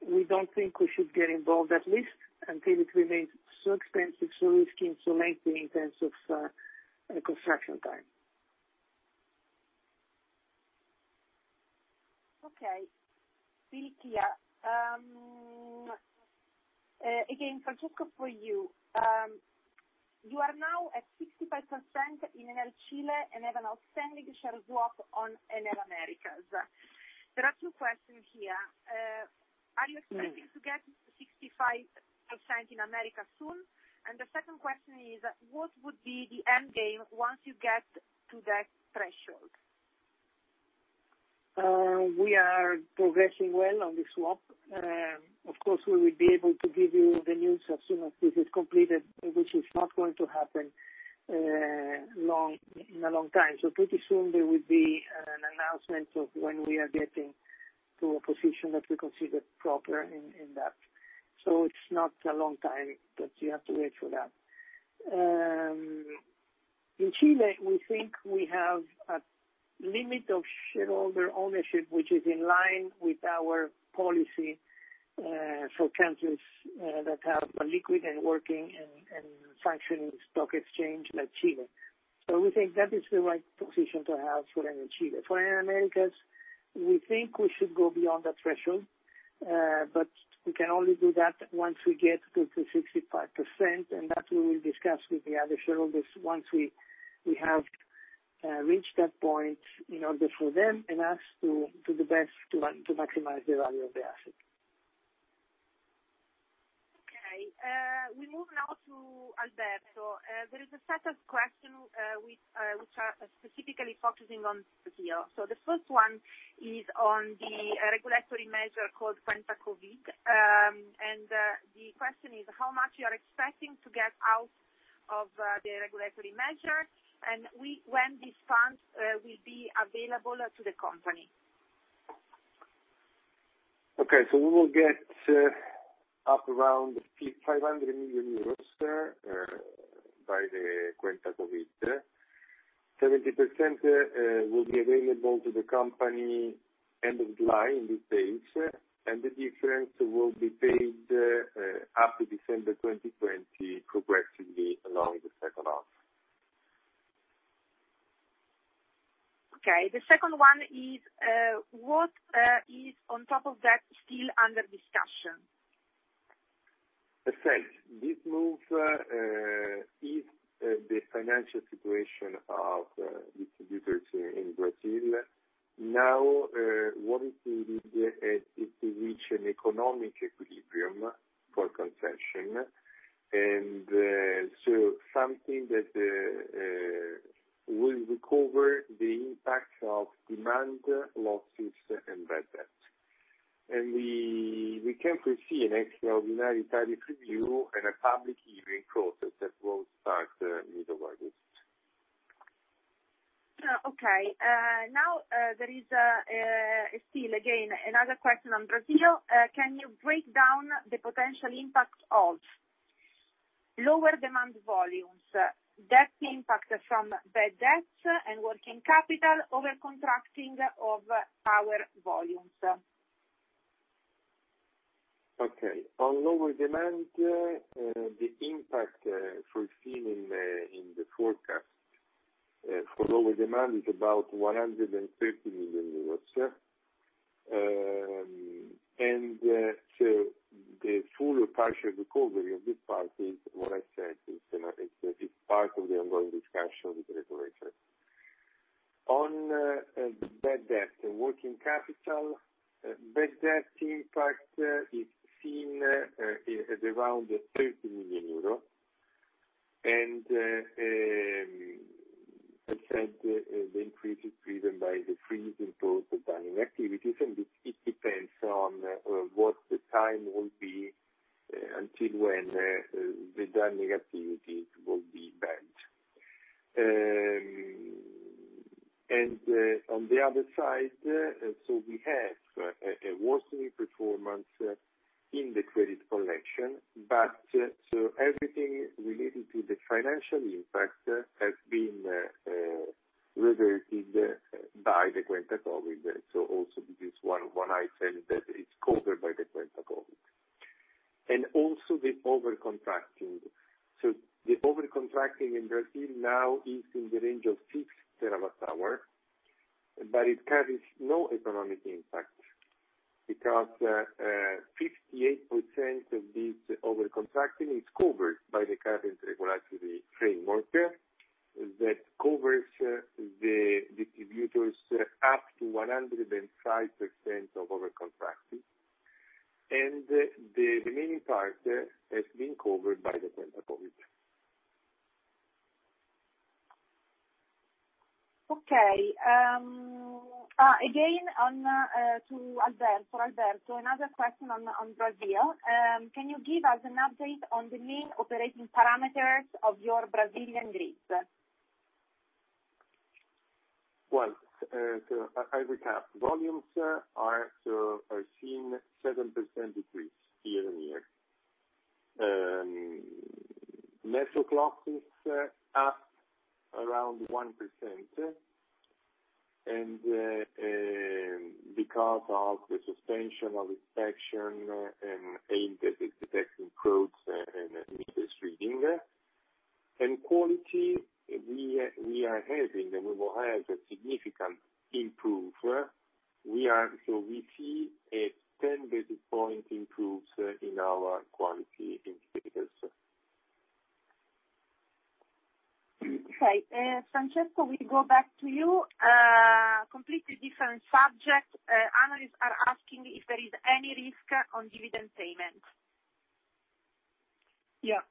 [SPEAKER 1] We don't think we should get involved, at least until it remains so expensive, so risky, and so lengthy in terms of construction time.
[SPEAKER 3] Okay. Filippia, again, Francesco for you. You are now at 65% in Enel Chile and have an outstanding share swap on Enel Américas. There are two questions here. Are you expecting to get 65% in Américas soon? The second question is, what would be the end game once you get to that threshold?
[SPEAKER 1] We are progressing well on the swap. Of course, we will be able to give you the news as soon as this is completed, which is not going to happen in a long time. Pretty soon, there will be an announcement of when we are getting to a position that we consider proper in that. It is not a long time, but you have to wait for that. In Chile, we think we have a limit of shareholder ownership, which is in line with our policy for countries that have a liquid and working and functioning stock exchange like Chile. We think that is the right position to have for Enel Chile. For Enel Américas, we think we should go beyond that threshold, but we can only do that once we get to 65%, and that we will discuss with the other shareholders once we have reached that point in order for them and us to do the best to maximize the value of the asset.
[SPEAKER 3] Okay. We move now to Alberto. There is a set of questions which are specifically focusing on here. The first one is on the regulatory measure called Penta Covid. The question is, how much you are expecting to get out of the regulatory measure, and when this fund will be available to the company?
[SPEAKER 2] Okay. We will get up around 500 million euros by the Penta Covid. 70% will be available to the company end of July, in this case. The difference will be paid up to December 2020, progressively along the second half.
[SPEAKER 3] Okay. The second one is, what is on top of that still under discussion?
[SPEAKER 2] Perfect. This move is the financial situation of distributors in Brazil. Now, what is needed is to reach an economic equilibrium for consumption, and so something that will recover the impact of demand losses and bad debt. We can foresee an extraordinary tariff review and a public hearing process that will start middle of August.
[SPEAKER 3] Okay. There is still, again, another question on Brazil. Can you break down the potential impact of lower demand volumes, debt impact from bad debts, and working capital overcontracting of power volumes?
[SPEAKER 2] Okay. On lower demand, the impact foreseen in the forecast for lower demand is about 130 million euros. The full or partial recovery of this part is, what I said, it's part of the ongoing discussion with the regulator. On bad debt and working capital, bad debt impact is seen at around 30 million euros. I said the increase is driven by the freeze imposed on banking activities, and it depends on what the time will be until when the down negativity will be bent. On the other side, we have a worsening performance in the credit collection, but everything related to the financial impact has been reverted by the Penta Covid. This is one item that is covered by the Penta Covid. Also, the overcontracting. The overcontracting in Brazil now is in the range of 6 terawatt hour, but it carries no economic impact because 58% of this overcontracting is covered by the current regulatory framework that covers the distributors up to 105% of overcontracting. The remaining part has been covered by the Penta Covid.
[SPEAKER 3] Okay. Again, to Alberto, another question on Brazil. Can you give us an update on the main operating parameters of your Brazilian grid?
[SPEAKER 2] I recap. Volumes are seen 7% decrease year on year. Network losses up around 1% because of the suspension of inspection and aimed detection codes and meter reading. Quality, we are having and we will have a significant improve. We see a 10 basis point improvement in our quality indicators.
[SPEAKER 3] Okay. Francesco, we go back to you. Completely different subject. Analysts are asking if there is any risk on dividend payment.
[SPEAKER 1] Yeah.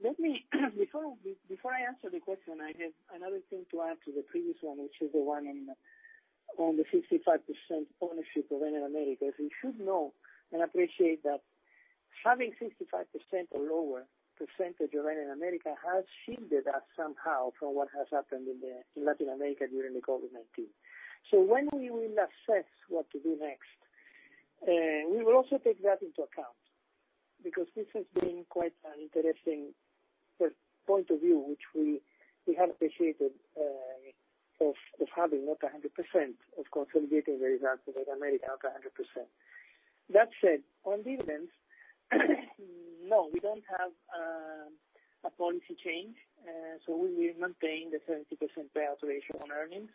[SPEAKER 1] Before I answer the question, I have another thing to add to the previous one, which is the one on the 65% ownership of Enel Américas. We should know and appreciate that having 65% or lower percentage of Enel Américas has shielded us somehow from what has happened in Latin America during the COVID-19. When we will assess what to do next, we will also take that into account because this has been quite an interesting point of view, which we have appreciated of having not 100% of consolidating the results of Enel Américas, not 100%. That said, on dividends, no, we do not have a policy change. We maintain the 70% payout ratio on earnings.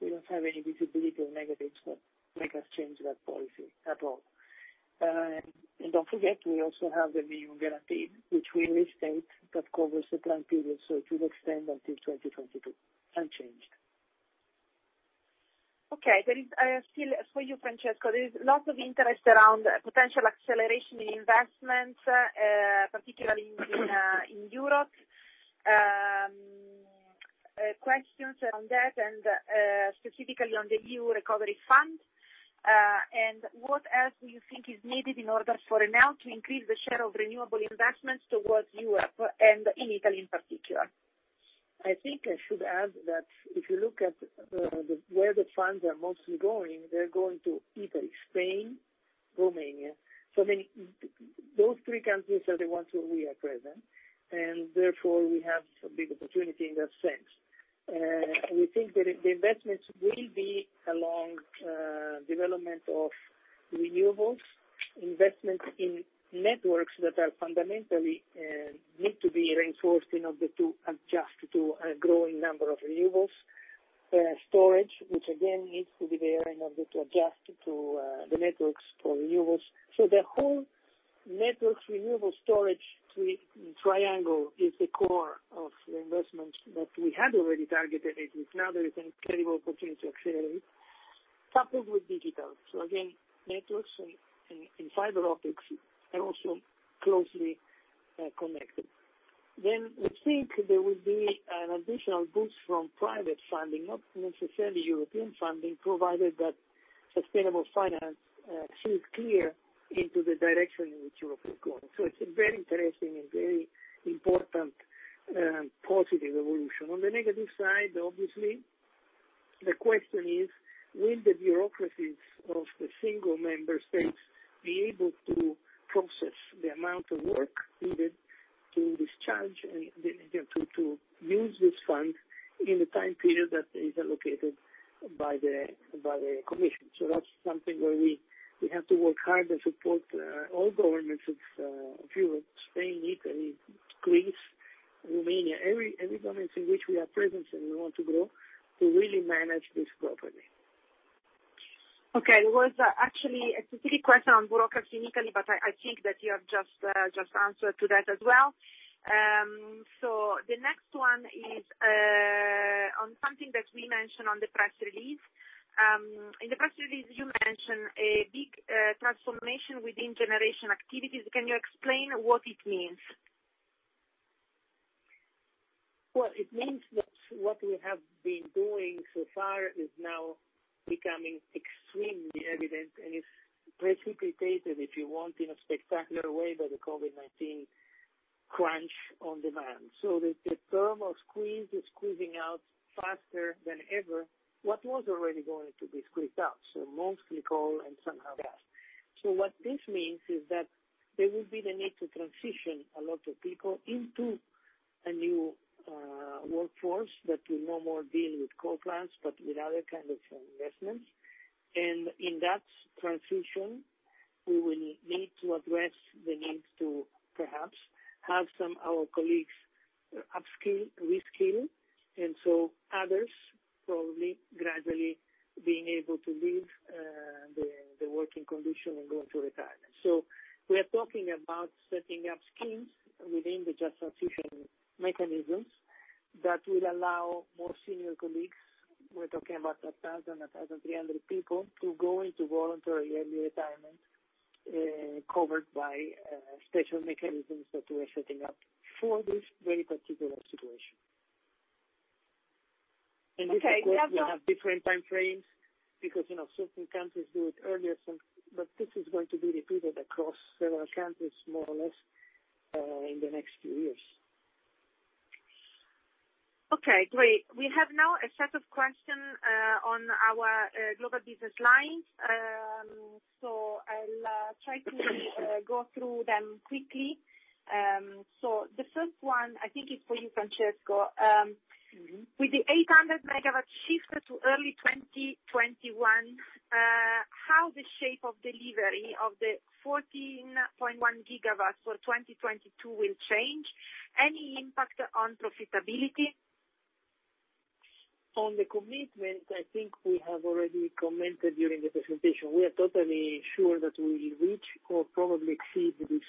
[SPEAKER 1] We do not have any visibility of negatives that make us change that policy at all. Do not forget, we also have the minimum guaranteed, which we restate that covers the planned period. It will extend until 2022, unchanged.
[SPEAKER 3] Okay. For you, Francesco, there is lots of interest around potential acceleration in investment, particularly in Europe. Questions on that and specifically on the EU Recovery Fund. What else do you think is needed in order for Enel to increase the share of renewable investments towards Europe and in Italy in particular?
[SPEAKER 1] I think I should add that if you look at where the funds are mostly going, they are going to Italy, Spain, Romania. Those three countries are the ones where we are present, and therefore we have a big opportunity in that sense. We think that the investments will be along development of renewables, investments in networks that fundamentally need to be reinforced in order to adjust to a growing number of renewables, storage, which again needs to be there in order to adjust to the networks for renewables. The whole networks renewable storage triangle is the core of the investments that we had already targeted, which now there is an incredible opportunity to accelerate, coupled with digital. Again, networks and fiber optics are also closely connected. We think there will be an additional boost from private funding, not necessarily European funding, provided that sustainable finance sees clear into the direction in which Europe is going. It is a very interesting and very important positive evolution. On the negative side, obviously, the question is, will the bureaucracies of the single member states be able to process the amount of work needed to discharge and to use this fund in the time period that is allocated by the commission? That is something where we have to work hard and support all governments of Europe, Spain, Italy, Greece, Romania, every government in which we have presence and we want to grow to really manage this properly.
[SPEAKER 3] Okay. It was actually a specific question on bureaucracy in Italy, but I think that you have just answered to that as well. The next one is on something that we mentioned on the press release. In the press release, you mentioned a big transformation within generation activities. Can you explain what it means?
[SPEAKER 1] It means that what we have been doing so far is now becoming extremely evident and is precipitated, if you want, in a spectacular way by the COVID-19 crunch on demand. The thermal squeeze is squeezing out faster than ever what was already going to be squeezed out, so mostly coal and somehow gas. What this means is that there will be the need to transition a lot of people into a new workforce that will no more deal with coal plants but with other kinds of investments. In that transition, we will need to address the need to perhaps have some of our colleagues upskill, reskill, and so others probably gradually being able to leave the working condition and go into retirement. We are talking about setting up schemes within the just transition mechanisms that will allow more senior colleagues—we are talking about 1,000-1,300 people—to go into voluntary early retirement covered by special mechanisms that we are setting up for this very particular situation. This is going to have different time frames because certain countries do it earlier, but this is going to be repeated across several countries, more or less, in the next few years.
[SPEAKER 3] Okay. Great. We have now a set of questions on our global business lines. I'll try to go through them quickly. The first one, I think, is for you, Francesco. With the 800 MW shifted to early 2021, how the shape of delivery of the 14.1 GW for 2022 will change? Any impact on profitability?
[SPEAKER 1] On the commitment, I think we have already commented during the presentation. We are totally sure that we will reach or probably exceed this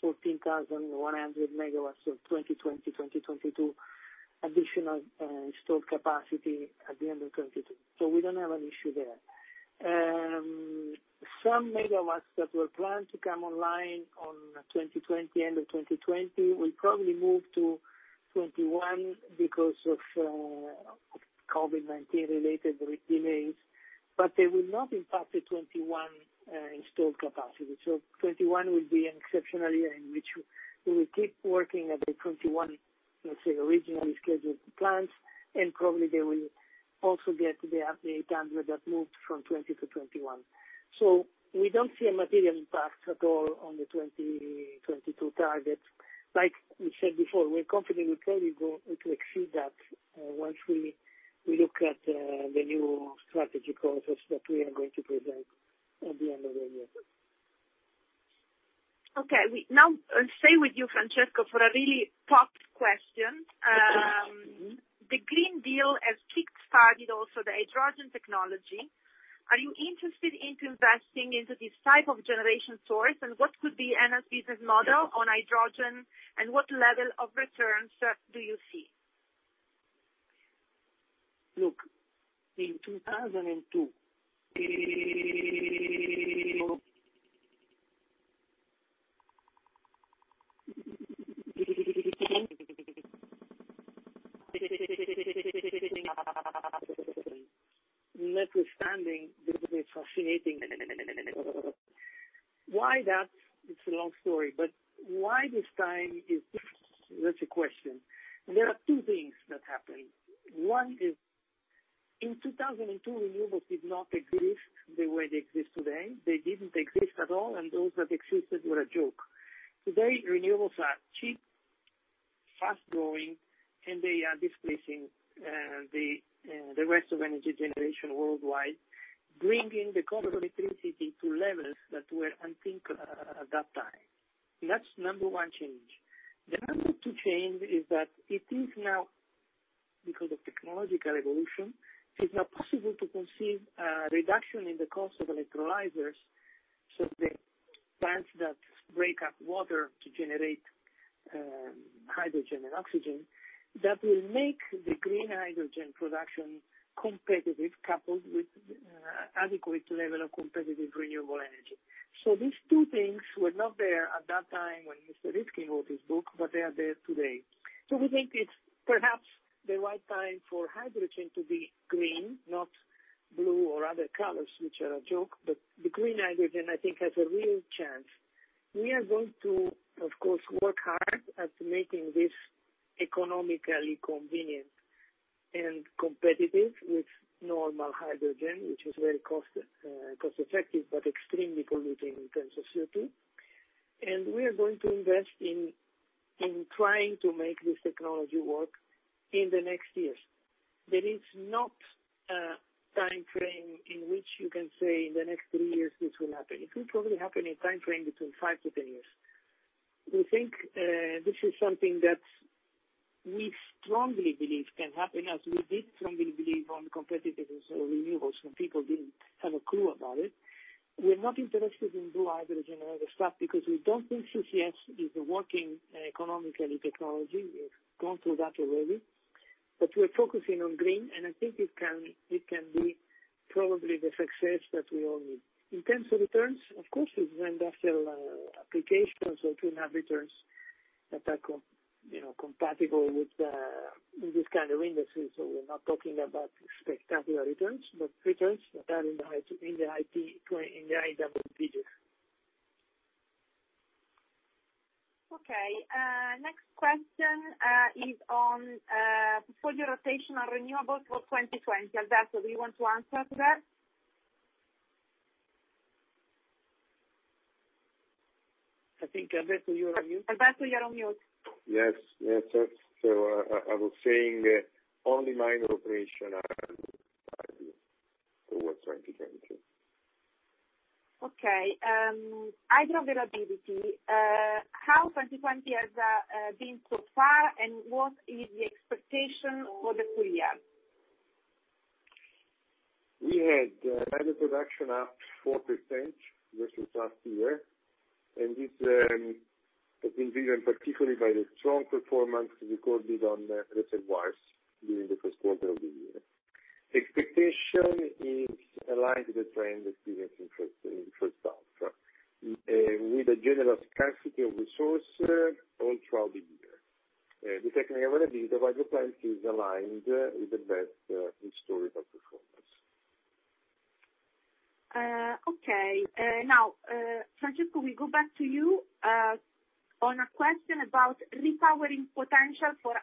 [SPEAKER 1] 14,100 MW of 2020, 2022 additional installed capacity at the end of 2022. We do not have an issue there. Some MW that were planned to come online at the end of 2020 will probably move to 2021 because of COVID-19-related delays, but they will not impact the 2021 installed capacity. Twenty twenty-one will be an exceptional year in which we will keep working at the twenty twenty-one, let's say, originally scheduled plants, and probably they will also get the 800 that moved from twenty twenty to twenty twenty-one. We do not see a material impact at all on the 2022 target. Like we said before, we are confident we will probably go to exceed that once we look at the new strategy courses that we are going to present at the end of the year.
[SPEAKER 3] Okay. Now, I will stay with you, Francesco, for a really top question. The Green Deal has kick-started also the hydrogen technology. Are you interested in investing into this type of generation source? And what could be Enel's business model on hydrogen, and what level of returns do you see?
[SPEAKER 1] Look, in 2002. Enel's funding is fascinating. Why that? It is a long story, but why this time is—that is a question. There are two things that happened. One is, in 2002, renewables did not exist the way they exist today. They did not exist at all, and those that existed were a joke. Today, renewables are cheap, fast-growing, and they are displacing the rest of energy generation worldwide, bringing the covered electricity to levels that were unthinkable at that time. That is number one change. The number two change is that it is now, because of technological evolution, possible to conceive a reduction in the cost of electrolyzers. The plants that break up water to generate hydrogen and oxygen will make the green hydrogen production competitive, coupled with an adequate level of competitive renewable energy. These two things were not there at that time when Mr. Rifkin wrote his book, but they are there today. We think it's perhaps the right time for hydrogen to be green, not blue or other colors, which are a joke, but the green hydrogen, I think, has a real chance. We are going to, of course, work hard at making this economically convenient and competitive with normal hydrogen, which is very cost-effective but extremely polluting in terms of CO2. We are going to invest in trying to make this technology work in the next years. There is not a time frame in which you can say in the next three years this will happen. It will probably happen in a time frame between 5-10 years. We think this is something that we strongly believe can happen, as we did strongly believe on competitiveness of renewables when people didn't have a clue about it. We're not interested in blue hydrogen and other stuff because we don't think CCS is a working economically technology. We've gone through that already. We're focusing on green, and I think it can be probably the success that we all need. In terms of returns, of course, it's industrial applications or clean hydrogen that are compatible with this kind of industry. We're not talking about spectacular returns, but returns that are in the IT digit.
[SPEAKER 3] Okay. Next question is on portfolio rotation on renewables for 2020. Alberto, do you want to answer to that?
[SPEAKER 1] I think, Alberto, you are on mute.
[SPEAKER 3] Alberto, you are on mute. Yes. Yes. I was saying only minor operation are towards 2022. Okay. Hydro availability, how has 2020 been so far, and what is the expectation for the full year?
[SPEAKER 1] We had hydro production up 4% versus last year, and this has been driven particularly by the strong performance recorded on reservoirs during the first quarter of the year. Expectation is aligned with the trend that we have seen in the first half, with a general scarcity of resources all throughout the year. The technical availability of hydroplants is aligned with the best historical performance.
[SPEAKER 3] Okay. Now, Francesco, we go back to you on a question about repowering potential for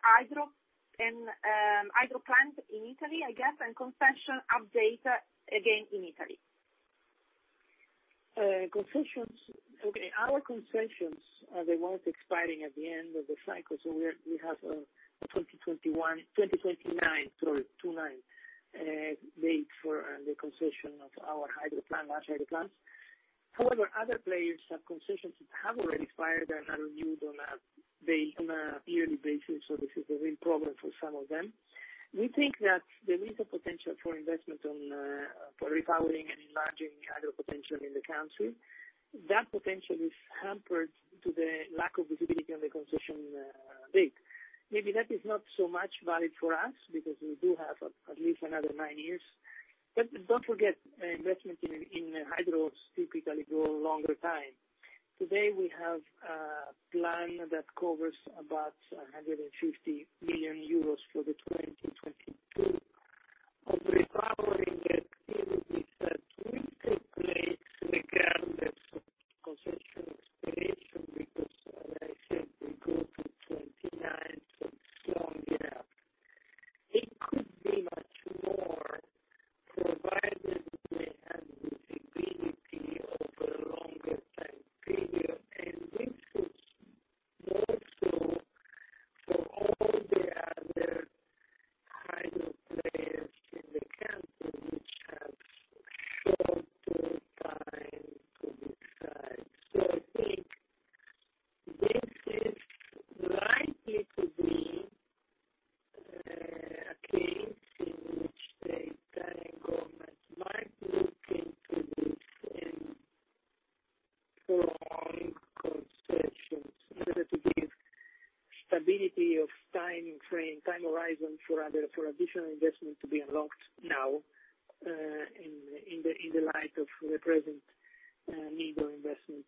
[SPEAKER 3] hydroplants in Italy, I guess, and concession update again in Italy.
[SPEAKER 1] Okay. Our concessions are the ones expiring at the end of the cycle. So we have a 2029, sorry, 2029 date for the concession of our hydroplants, large hydroplants. However, other players have concessions that have already expired and are renewed on a daily basis, so this is a real problem for some of them. We think that there is a potential for investment for repowering and enlarging hydro potential in the country. That potential is hampered due to the lack of visibility on the concession date. Maybe that is not so much valid for us because we do have at least another nine years. Do not forget, investment in hydro typically goes a longer time. Today, we have a plan that covers about 150 million for 2022. Of the repowering, we said will take place regardless of concession expiration because, as I said, we go to 2029, so it is a long year out. It could be much more provided they have visibility over a longer time period, and this is more so for all the other hydro players in the country which have a shorter time to decide. I think this is likely to be a case in which the Italian government might look into this and prolong concessions. Consider to give stability of time frame, time horizon for additional investment to be unlocked now in the light of the present needle investment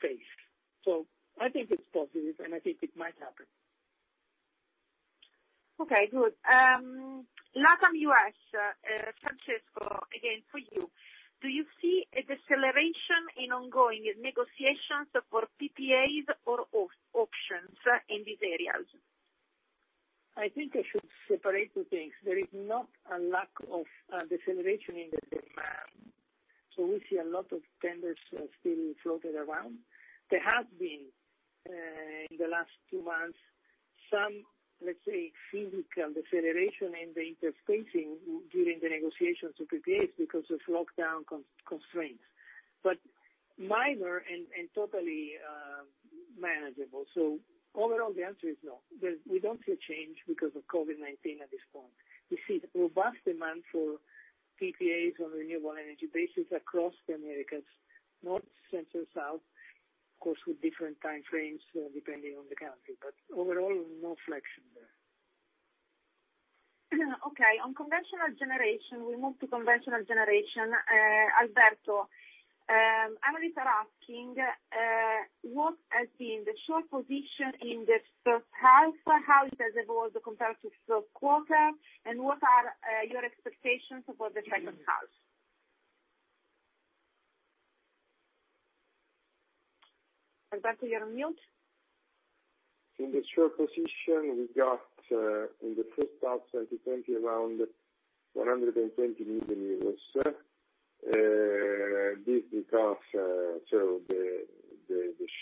[SPEAKER 1] phase. I think it is positive, and I think it might happen.
[SPEAKER 3] Okay. Good. Last time you asked, Francesco, again for you, do you see a deceleration in ongoing negotiations for PPAs or options in these areas?
[SPEAKER 1] I think I should separate two things. There is not a lack of deceleration in the demand. We see a lot of tenders still floating around. There has been, in the last two months, some, let's say, physical deceleration in the interfacing during the negotiations with PPAs because of lockdown constraints, but minor and totally manageable. Overall, the answer is no. We don't see a change because of COVID-19 at this point. We see robust demand for PPAs on a renewable energy basis across the Americas, north, center, south, of course, with different time frames depending on the country. Overall, no flexion there.
[SPEAKER 3] Okay. On conventional generation, we moved to conventional generation. Alberto, analysts are asking what has been the short position in the first half, how it has evolved compared to the first quarter, and what are your expectations for the second half? Alberto, you're on mute.
[SPEAKER 2] In the short position, we got in the first half of 2020 around 120 million euros. This because the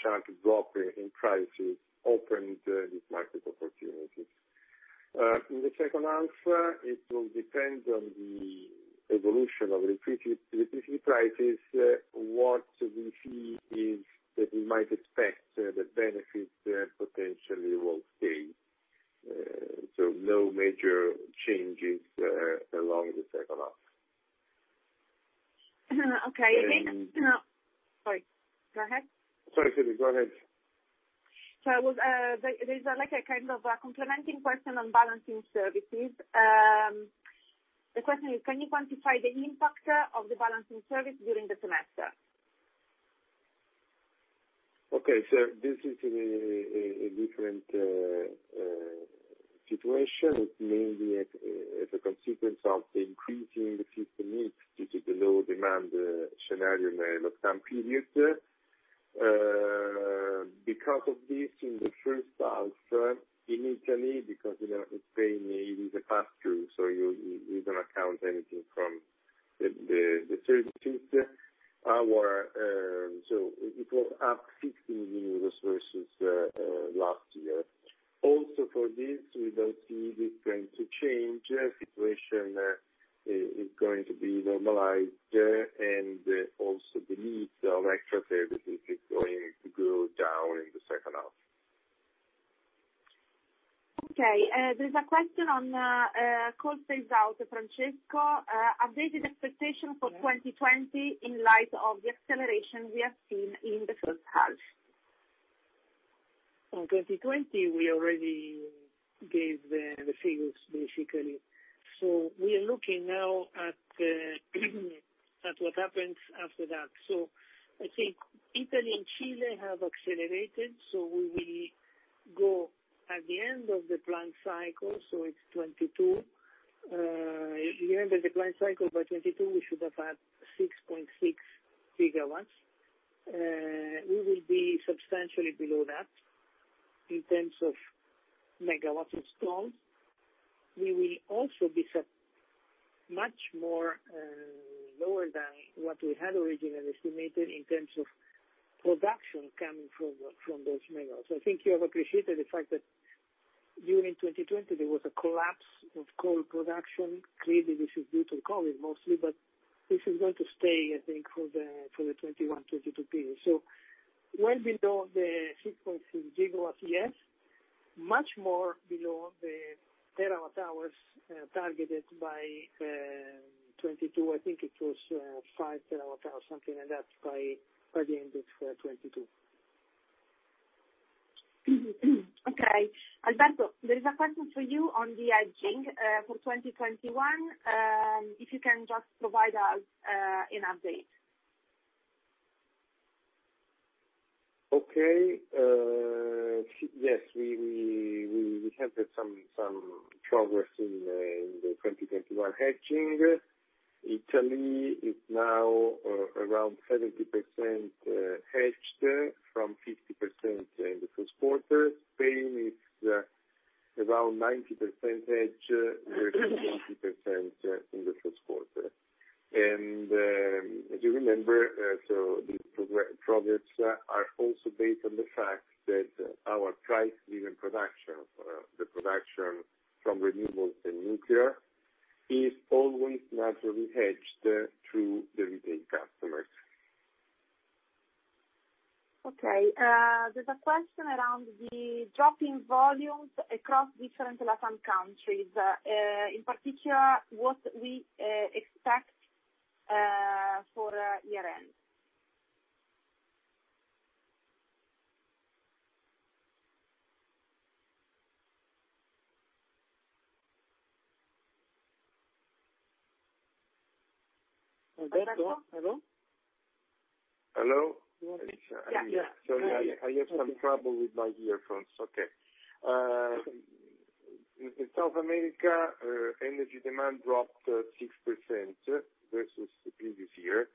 [SPEAKER 2] sharp drop in prices opened these market opportunities. In the second half, it will depend on the evolution of electricity prices. What we see is that we might expect the benefits potentially will stay. No major changes along the second half.
[SPEAKER 3] Okay. Sorry. Go ahead.
[SPEAKER 2] Sorry, Excume me. Go ahead.
[SPEAKER 3] There is a kind of complementing question on balancing services. The question is, can you quantify the impact of the balancing service during the semester?
[SPEAKER 2] Okay. This is a different situation. It is mainly as a consequence of increasing the system needs due to the low demand scenario in the lockdown period. Because of this, in the first half, initially, because in Spain, it is a pass-through, you do not account anything from the services. It was up 16 million euros versus last year. Also, for this, we do not see this going to change. Situation is going to be normalized, and also the need of extra services is going to go down in the second half.
[SPEAKER 3] There is a question on coal phase out, Francesco. Updated expectation for 2020 in light of the acceleration we have seen in the first half.
[SPEAKER 1] In 2020, we already gave the figures, basically. We are looking now at what happens after that. I think Italy and Chile have accelerated, so we will go at the end of the plant cycle, so it is 2022. Remember, the plant cycle by 2022, we should have had 6.6 GW. We will be substantially below that in terms of MW installed. We will also be much more lower than what we had originally estimated in terms of production coming from those MW. I think you have appreciated the fact that during 2020, there was a collapse of coal production. Clearly, this is due to COVID mostly, but this is going to stay, I think, for the 2021, 2022 period. Well below the 6.6 GW, yes. Much more below the terawatt hours targeted by 2022. I think it was 5 terawatt hours, something like that, by the end of 2022.
[SPEAKER 3] Okay. Alberto, there is a question for you on the hedging for 2021. If you can just provide us an update.
[SPEAKER 2] Okay. Yes. We have had some progress in the 2021 hedging. Italy is now around 70% hedged from 50% in the first quarter. Spain is around 90% hedged versus 20% in the first quarter. As you remember, these projects are also based on the fact that our price-driven production, the production from renewables and nuclear, is always naturally hedged through the retail customers.
[SPEAKER 3] Okay. There is a question around the drop in volumes across different LatAm countries. In particular, what we expect for year-end.
[SPEAKER 1] Alberto? Hello?
[SPEAKER 2] Hello?
[SPEAKER 1] Yeah. Yeah.
[SPEAKER 2] I have some trouble with my earphones. Okay. In South America, energy demand dropped 6% versus the previous year,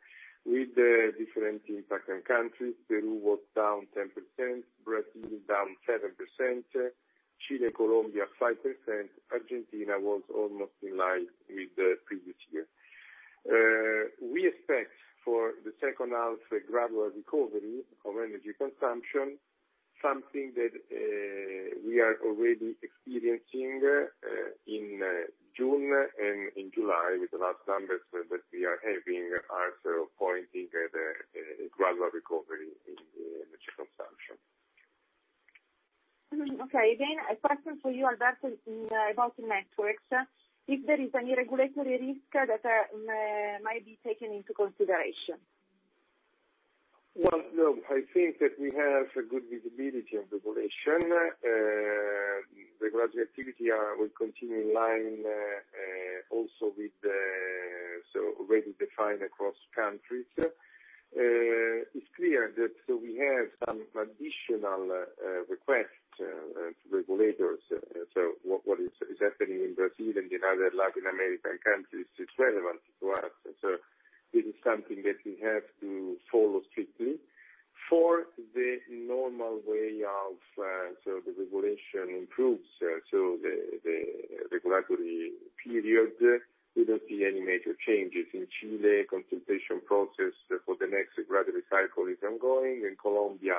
[SPEAKER 2] with different impact countries. Peru was down 10%, Brazil down 7%, Chile-Colombia 5%. Argentina was almost in line with the previous year. We expect for the second half a gradual recovery of energy consumption, something that we are already experiencing in June and in July. With the last numbers that we are having, are pointing at a gradual recovery in energy consumption.
[SPEAKER 3] Okay. A question for you, Alberto, about networks. If there is any regulatory risk that might be taken into consideration?
[SPEAKER 2] No. I think that we have good visibility on regulation. Regulatory activity will continue in line also with the so already defined across countries. It is clear that we have some additional requests to regulators. What is happening in Brazil and in other Latin American countries is relevant to us. This is something that we have to follow strictly. For the normal way of so the regulation improves, so the regulatory period, we do not see any major changes. In Chile, consultation process for the next regulatory cycle is ongoing. In Colombia,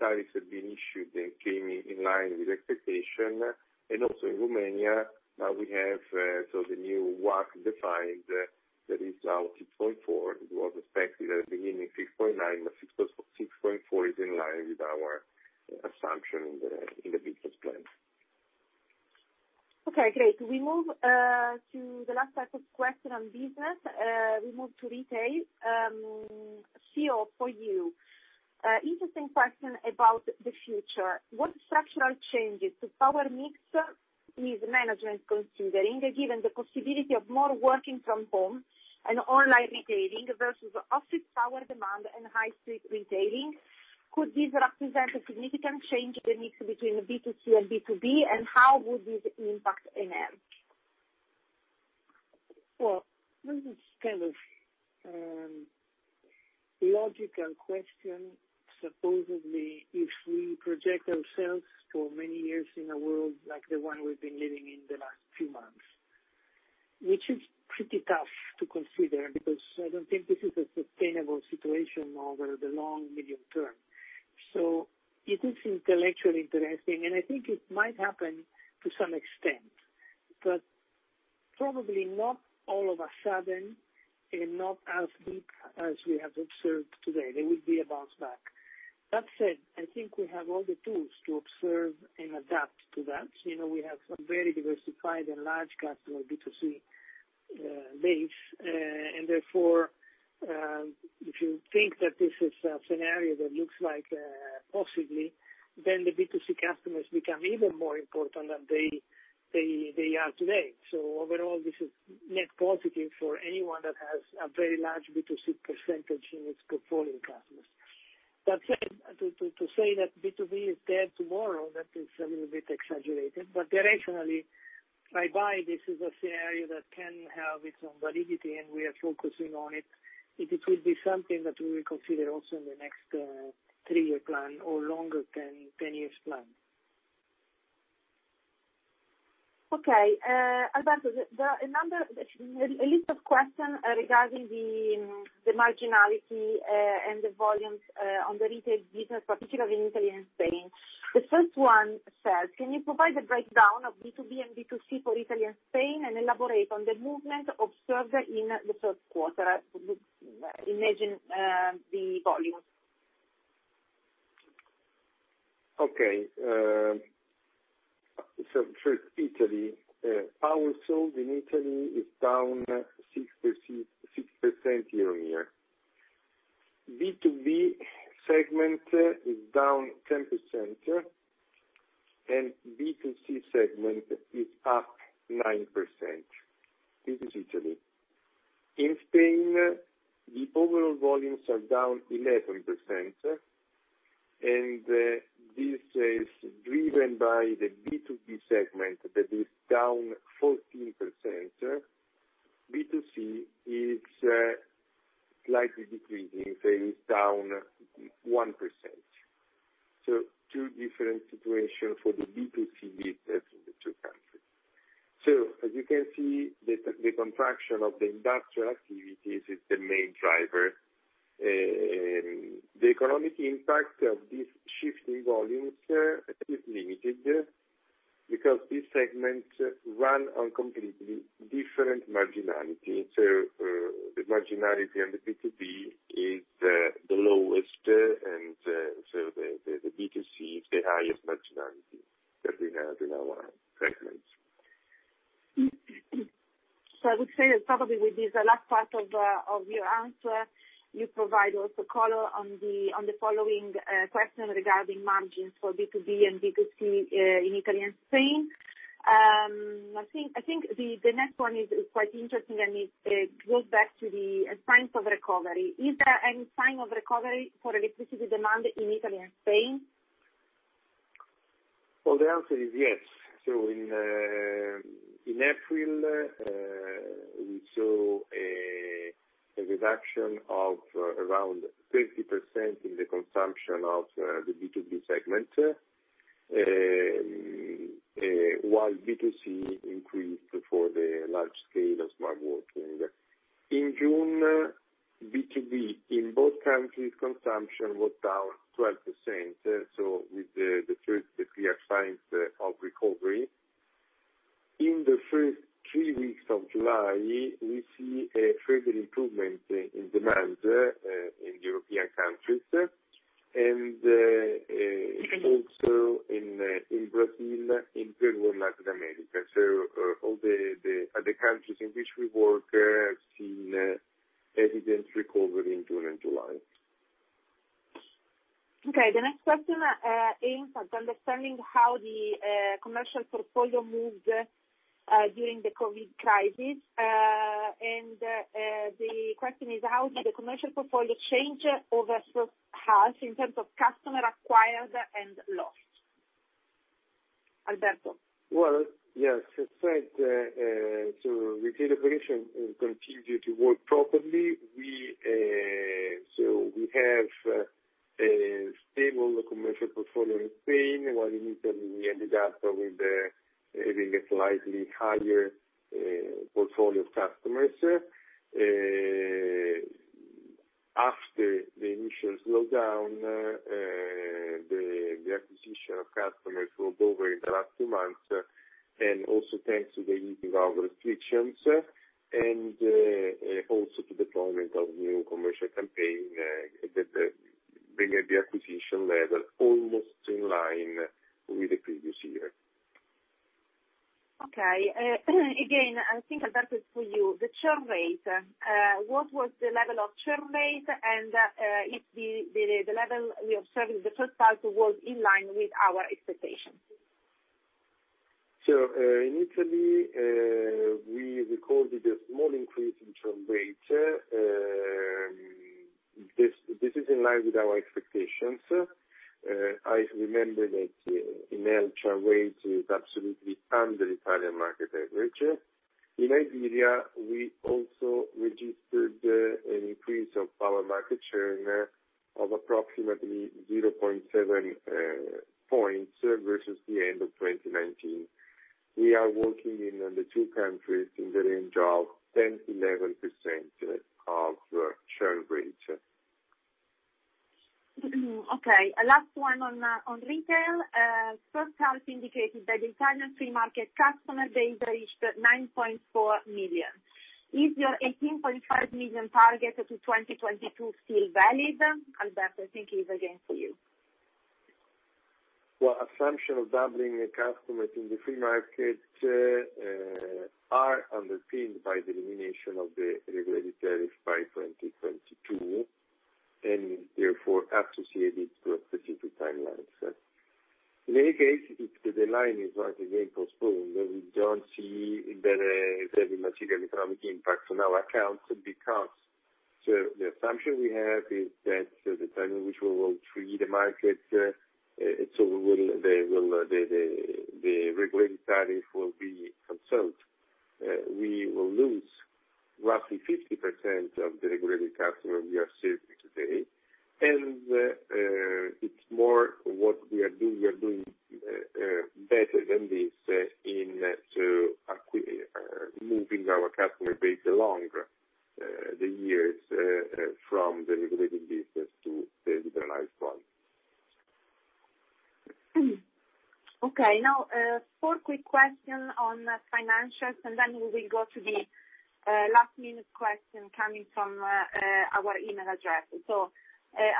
[SPEAKER 2] tariffs have been issued and came in line with expectation. Also in Romania, we have so the new WACC defined that is now 6.4. It was expected at the beginning 6.9, but 6.4 is in line with our assumption in the business plan.
[SPEAKER 3] Okay. Great. We move to the last type of question on business. We move to retail. CEO, for you, interesting question about the future. What structural changes to power mix is management considering, given the possibility of more working from home and online retailing versus office power demand and high-street retailing? Could this represent a significant change in the mix between B2C and B2B, and how would this impact Enel?
[SPEAKER 1] This is kind of a logical question, supposedly, if we project ourselves for many years in a world like the one we've been living in the last few months, which is pretty tough to consider because I don't think this is a sustainable situation over the long, medium term. It is intellectually interesting, and I think it might happen to some extent, but probably not all of a sudden and not as deep as we have observed today. There will be a bounce back. That said, I think we have all the tools to observe and adapt to that. We have a very diversified and large customer B2C base, and therefore, if you think that this is a scenario that looks like possibly, then the B2C customers become even more important than they are today. Overall, this is net positive for anyone that has a very large B2C percentage in its portfolio customers. That said, to say that B2B is dead tomorrow, that is a little bit exaggerated. Directionally, by buying, this is a scenario that can have its own validity, and we are focusing on it. It will be something that we will consider also in the next three-year plan or longer-term 10-year plan.
[SPEAKER 3] Okay. Alberto, there are a list of questions regarding the marginality and the volumes on the retail business, particularly in Italy and Spain. The first one says, "Can you provide a breakdown of B2B and B2C for Italy and Spain and elaborate on the movement observed in the first quarter?" Imagine the volumes.
[SPEAKER 2] Okay. First, Italy. Power sold in Italy is down 6% year-on-year. B2B segment is down 10%, and B2C segment is up 9%. This is Italy. In Spain, the overall volumes are down 11%, and this is driven by the B2B segment that is down 14%. B2C is slightly decreasing. It is down 1%. Two different situations for the B2C business in the two countries. As you can see, the contraction of the industrial activities is the main driver. The economic impact of this shift in volumes is limited because these segments run on completely different marginality. The marginality on the B2B is the lowest, and the B2C is the highest marginality that we have in our segments.
[SPEAKER 3] I would say probably with this last part of your answer, you provide also color on the following question regarding margins for B2B and B2C in Italy and Spain. I think the next one is quite interesting, and it goes back to the signs of recovery. Is there any sign of recovery for electricity demand in Italy and Spain?
[SPEAKER 2] The answer is yes. In April, we saw a reduction of around 30% in the consumption of the B2B segment, while B2C increased for the large scale of smart working. In June, B2B in both countries' consumption was down 12%, with the first clear signs of recovery. In the first three weeks of July, we see a further improvement in demand in European countries and also in Brazil, in Peru, and Latin America. All the other countries in which we work have seen evident recovery in June and July.
[SPEAKER 3] The next question aims at understanding how the commercial portfolio moved during the COVID crisis. The question is, how did the commercial portfolio change over the first half in terms of customer acquired and lost? Alberto.
[SPEAKER 2] Yes. To retail operations continued to work properly. We have a stable commercial portfolio in Spain, while in Italy, we ended up with a slightly higher portfolio of customers. After the initial slowdown, the acquisition of customers rolled over in the last two months, and also thanks to the ease of our restrictions and also to the deployment of new commercial campaigns that bring the acquisition level almost in line with the previous year.
[SPEAKER 3] Okay. Again, I think, Alberto, for you, the churn rate, what was the level of churn rate, and if the level we observed in the first half was in line with our expectations?
[SPEAKER 2] In Italy, we recorded a small increase in churn rate. This is in line with our expectations. I remember that in Enel, churn rate is absolutely under Italian market average. In Nigeria, we also registered an increase of our market share of approximately 0.7 percentage points versus the end of 2019. We are working in the two countries in the range of 10-11% of churn rate.
[SPEAKER 3] Okay. Last one on retail. First half indicated that the Italian free market customer base reached 9.4 million. Is your 18.5 million target to 2022 still valid? Alberto, I think it is again for you.
[SPEAKER 2] Assumptions of doubling customers in the free market are underpinned by the elimination of the regulatory tariffs by 2022 and therefore associated with specific timelines. In any case, if the deadline is once again postponed, we do not see that there will be material economic impact on our accounts because the assumption we have is that the time in which we will free the market, so the regulatory tariff will be canceled, we will lose roughly 50% of the regulatory customers we are serving today. It is more what we are doing better than this in moving our customer base along the years from the regulated business to the liberalized one.
[SPEAKER 3] Okay. Now, four quick questions on financials, and then we will go to the last minute question coming from our email address.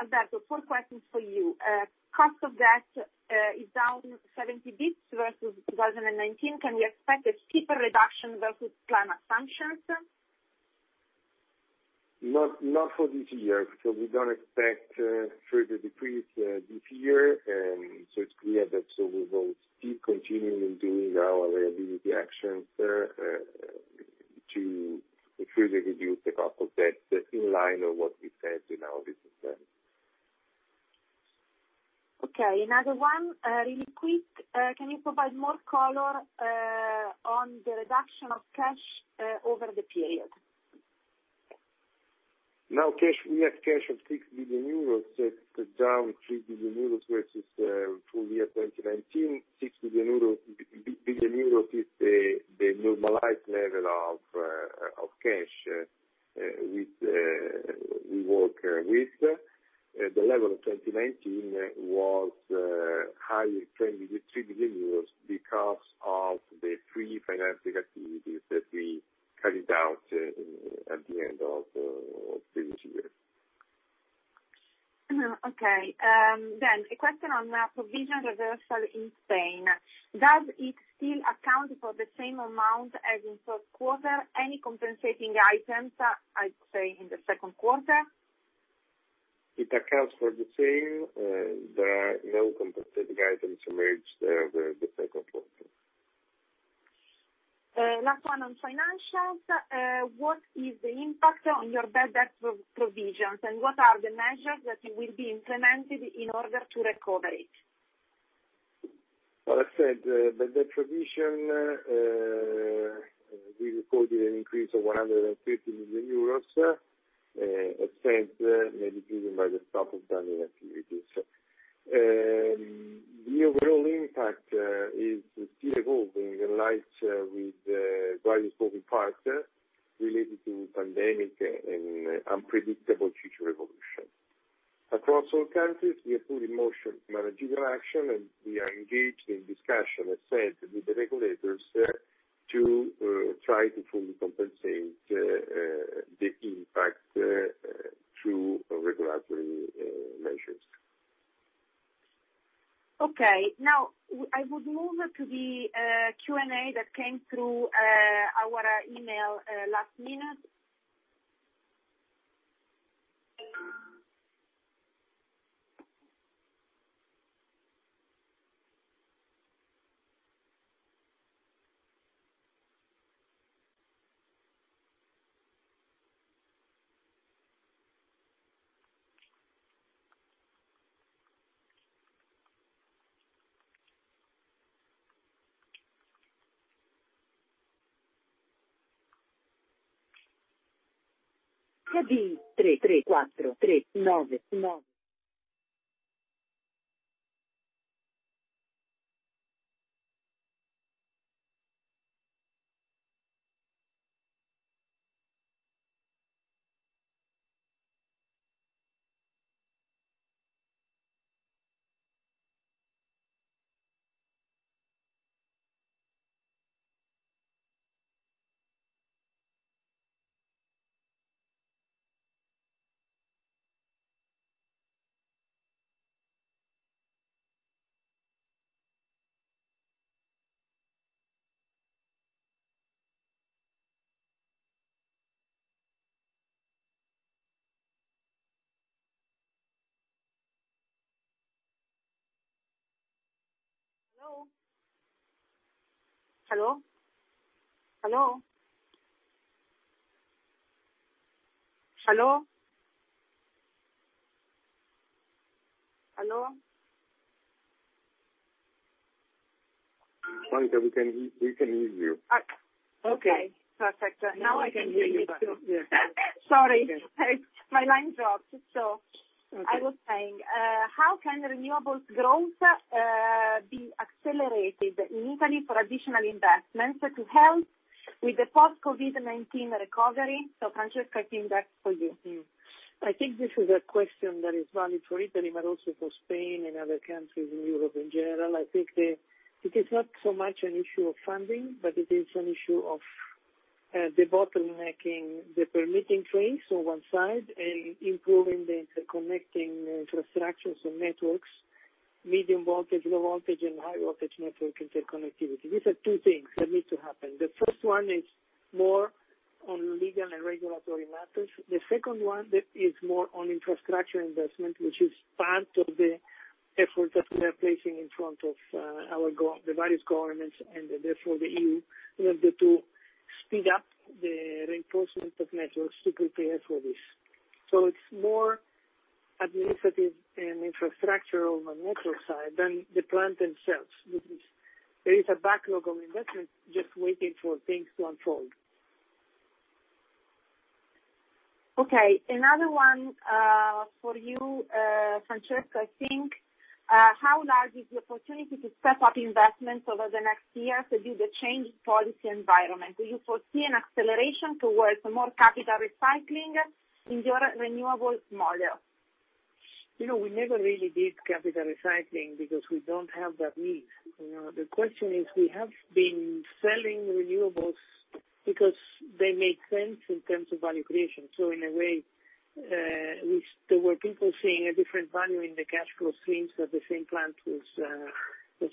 [SPEAKER 3] Alberto, four questions for you. Cost of debt is down 70 basis points versus 2019. Can we expect a steeper reduction versus climate sanctions?
[SPEAKER 2] Not for this year. We do not expect further decrease this year. It is clear that we will still continue doing our liability actions to further reduce the cost of debt in line with what we said in our business plan.
[SPEAKER 3] Okay. Another one, really quick. Can you provide more color on the reduction of cash over the period?
[SPEAKER 2] Now, we have cash of 6 billion euros, down 3 billion euros versus full year 2019. 6 billion euros is the normalized level of cash we work with. The level of 2019 was higher than 3 billion euros because of the three financial activities that we carried out at the end of previous year.
[SPEAKER 3] Okay. A question on provisional reversal in Spain. Does it still account for the same amount as in first quarter? Any compensating items, I'd say, in the second quarter?
[SPEAKER 2] It accounts for the same. There are no compensating items emerged there over the second quarter.
[SPEAKER 3] Last one on financials. What is the impact on your bad-debt provisions, and what are the measures that will be implemented in order to recover it?
[SPEAKER 2] As I said, the bad-debt provision, we recorded an increase of 130 million euros, as said, mainly driven by the stop of banking activities. The overall impact is still evolving in line with various moving parts related to the pandemic and unpredictable future evolution. Across all countries, we have put in motion managerial action, and we are engaged in discussion, as said, with the regulators to try to fully compensate the impact through regulatory measures.
[SPEAKER 3] Okay. Now, I would move to the Q&A that came through our email last minute.
[SPEAKER 4] 33, 34, 39, 9.
[SPEAKER 1] Hello? Hello? Hello? Hello? Hello?
[SPEAKER 2] Monica, we can hear you.
[SPEAKER 1] Okay. Perfect. Now I can hear you, but.
[SPEAKER 3] Sorry. My line dropped. I was saying, how can renewables growth be accelerated in Italy for additional investments to help with the post-COVID-19 recovery? Francesca, I think that's for you.
[SPEAKER 1] I think this is a question that is valid for Italy, but also for Spain and other countries in Europe in general. I think it is not so much an issue of funding, but it is an issue of the bottlenecking, the permitting trace on one side, and improving the interconnecting infrastructures and networks, medium voltage, low voltage, and high voltage network interconnectivity. These are two things that need to happen. The first one is more on legal and regulatory matters. The second one is more on infrastructure investment, which is part of the effort that we are placing in front of the various governments and therefore the EU, to speed up the reinforcement of networks to prepare for this. It is more administrative and infrastructural on the network side than the plant themselves. There is a backlog of investments just waiting for things to unfold.
[SPEAKER 3] Okay. Another one for you, Francesca, I think. How large is the opportunity to step up investments over the next year due to the change in policy environment? Do you foresee an acceleration towards more capital recycling in your renewables model?
[SPEAKER 1] We never really did capital recycling because we do not have that need. The question is, we have been selling renewables because they make sense in terms of value creation. In a way, there were people seeing a different value in the cash flow streams that the same plant was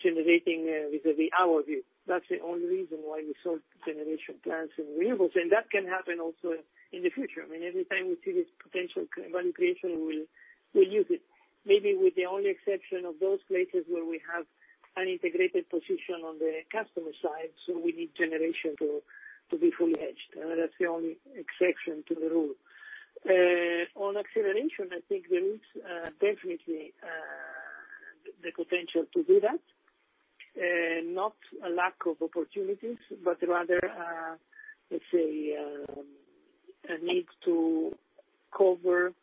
[SPEAKER 1] generating vis-à-vis our view. That is the only reason why we sold generation plants and renewables. That can happen also in the future. I mean, every time we see this potential value creation, we'll use it. Maybe with the only exception of those places where we have an integrated position on the customer side, so we need generation to be fully hedged. That's the only exception to the rule. On acceleration, I think there is definitely the potential to do that. Not a lack of opportunities, but rather, let's say, a need to cover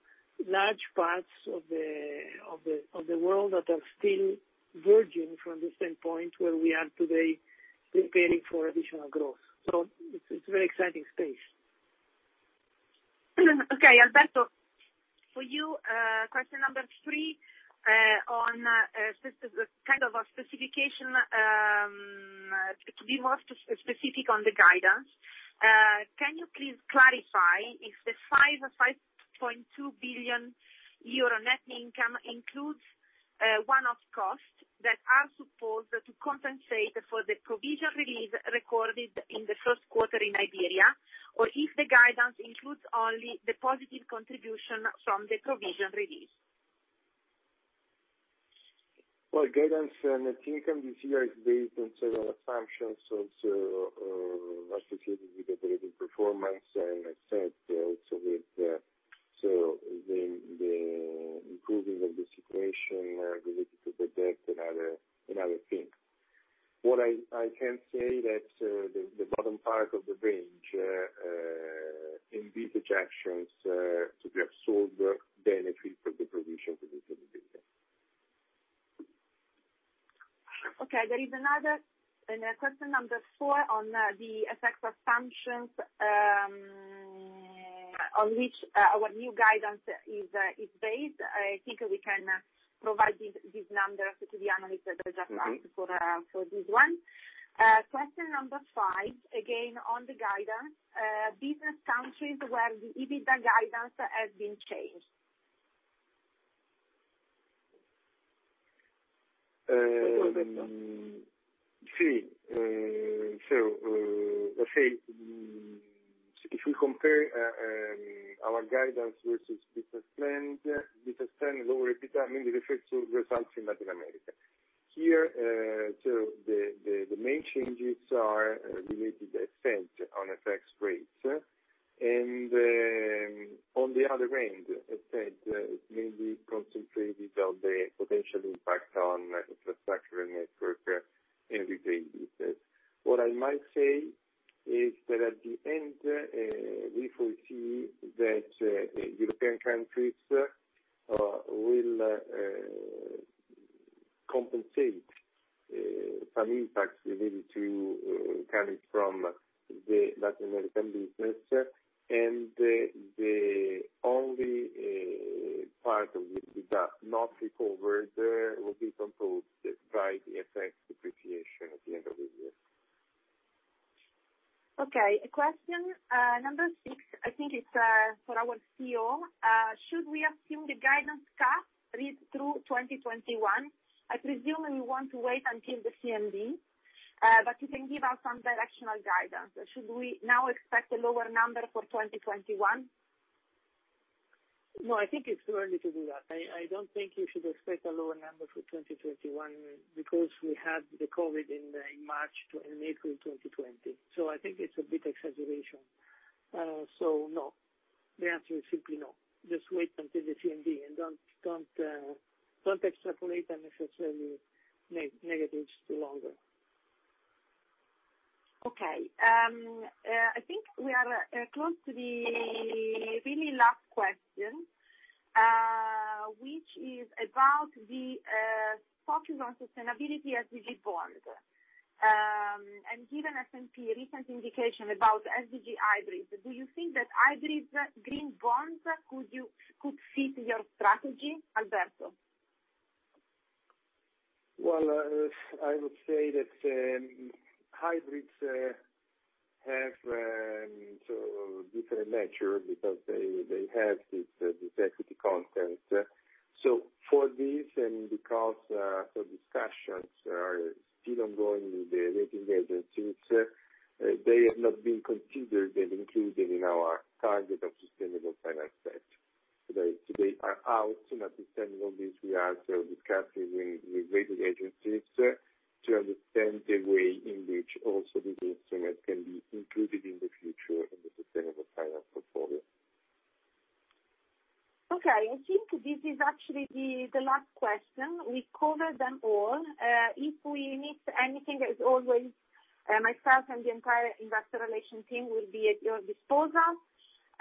[SPEAKER 1] large parts of the world that are still verging from the standpoint where we are today preparing for additional growth. It is a very exciting space.
[SPEAKER 3] Okay. Alberto, for you, question number three on kind of a specification, to be more specific on the guidance. Can you please clarify if the EUR 5.2 billion net income includes one-off costs that are supposed to compensate for the provisional release recorded in the first quarter in Nigeria, or if the guidance includes only the positive contribution from the provisional release?
[SPEAKER 2] Guidance net income this year is based on several assumptions. It is associated with operating performance and, as said, also with the improving of the situation related to the debt and other things. What I can say is that the bottom part of the range in these projections to be absorbed benefit for the provisional release of the data.
[SPEAKER 3] There is another question number four on the effects of sanctions on which our new guidance is based. I think we can provide these numbers to the analysts that were just asked for this one. Question number five, again on the guidance, business countries where the EBITDA guidance has been changed.
[SPEAKER 2] Sì. Let's say, if we compare our guidance versus business plan, lower EBITDA mainly refers to results in Latin America. Here, the main changes are related, as said, on FX rates. On the other end, as said, it mainly concentrates on the potential impact on infrastructure and network in retail business. What I might say is that at the end, we foresee that European countries will compensate some impacts coming from the Latin American business. The only part of the EBITDA not recovered will be composed by the FX depreciation at the end of the year.
[SPEAKER 3] Okay. Question number six, I think it's for our CEO. Should we assume the guidance cut through 2021? I presume we want to wait until the CMD, but you can give us some directional guidance. Should we now expect a lower number for 2021?
[SPEAKER 1] No, I think it's too early to do that. I don't think you should expect a lower number for 2021 because we had the COVID in April 2020. I think it's a bit of exaggeration. No, the answer is simply no. Just wait until the CMD and don't extrapolate unnecessary negatives too long.
[SPEAKER 3] Okay. I think we are close to the really last question, which is about the focus on sustainability SDG bond. Given S&P recent indication about SDG hybrids, do you think that hybrids green bonds could fit your strategy, Alberto?
[SPEAKER 2] I would say that hybrids have a different nature because they have this equity content. For this and because the discussions are still ongoing with the rating agencies, they have not been considered and included in our target of sustainable finance set. They are out, and at the time of this, we are still discussing with rating agencies to understand the way in which also these instruments can be included in the future in the sustainable finance portfolio.
[SPEAKER 3] Okay. I think this is actually the last question. We covered them all. If we miss anything, as always, myself and the entire investor relations team will be at your disposal.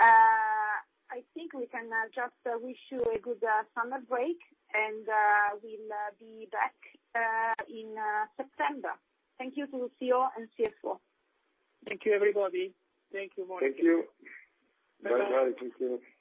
[SPEAKER 3] I think we can just wish you a good summer break, and we'll be back in September. Thank you to the CEO and CFO.
[SPEAKER 1] Thank you, everybody. Thank you, Monica.
[SPEAKER 2] Thank you. Bye-bye. Thank you.
[SPEAKER 1] Bye.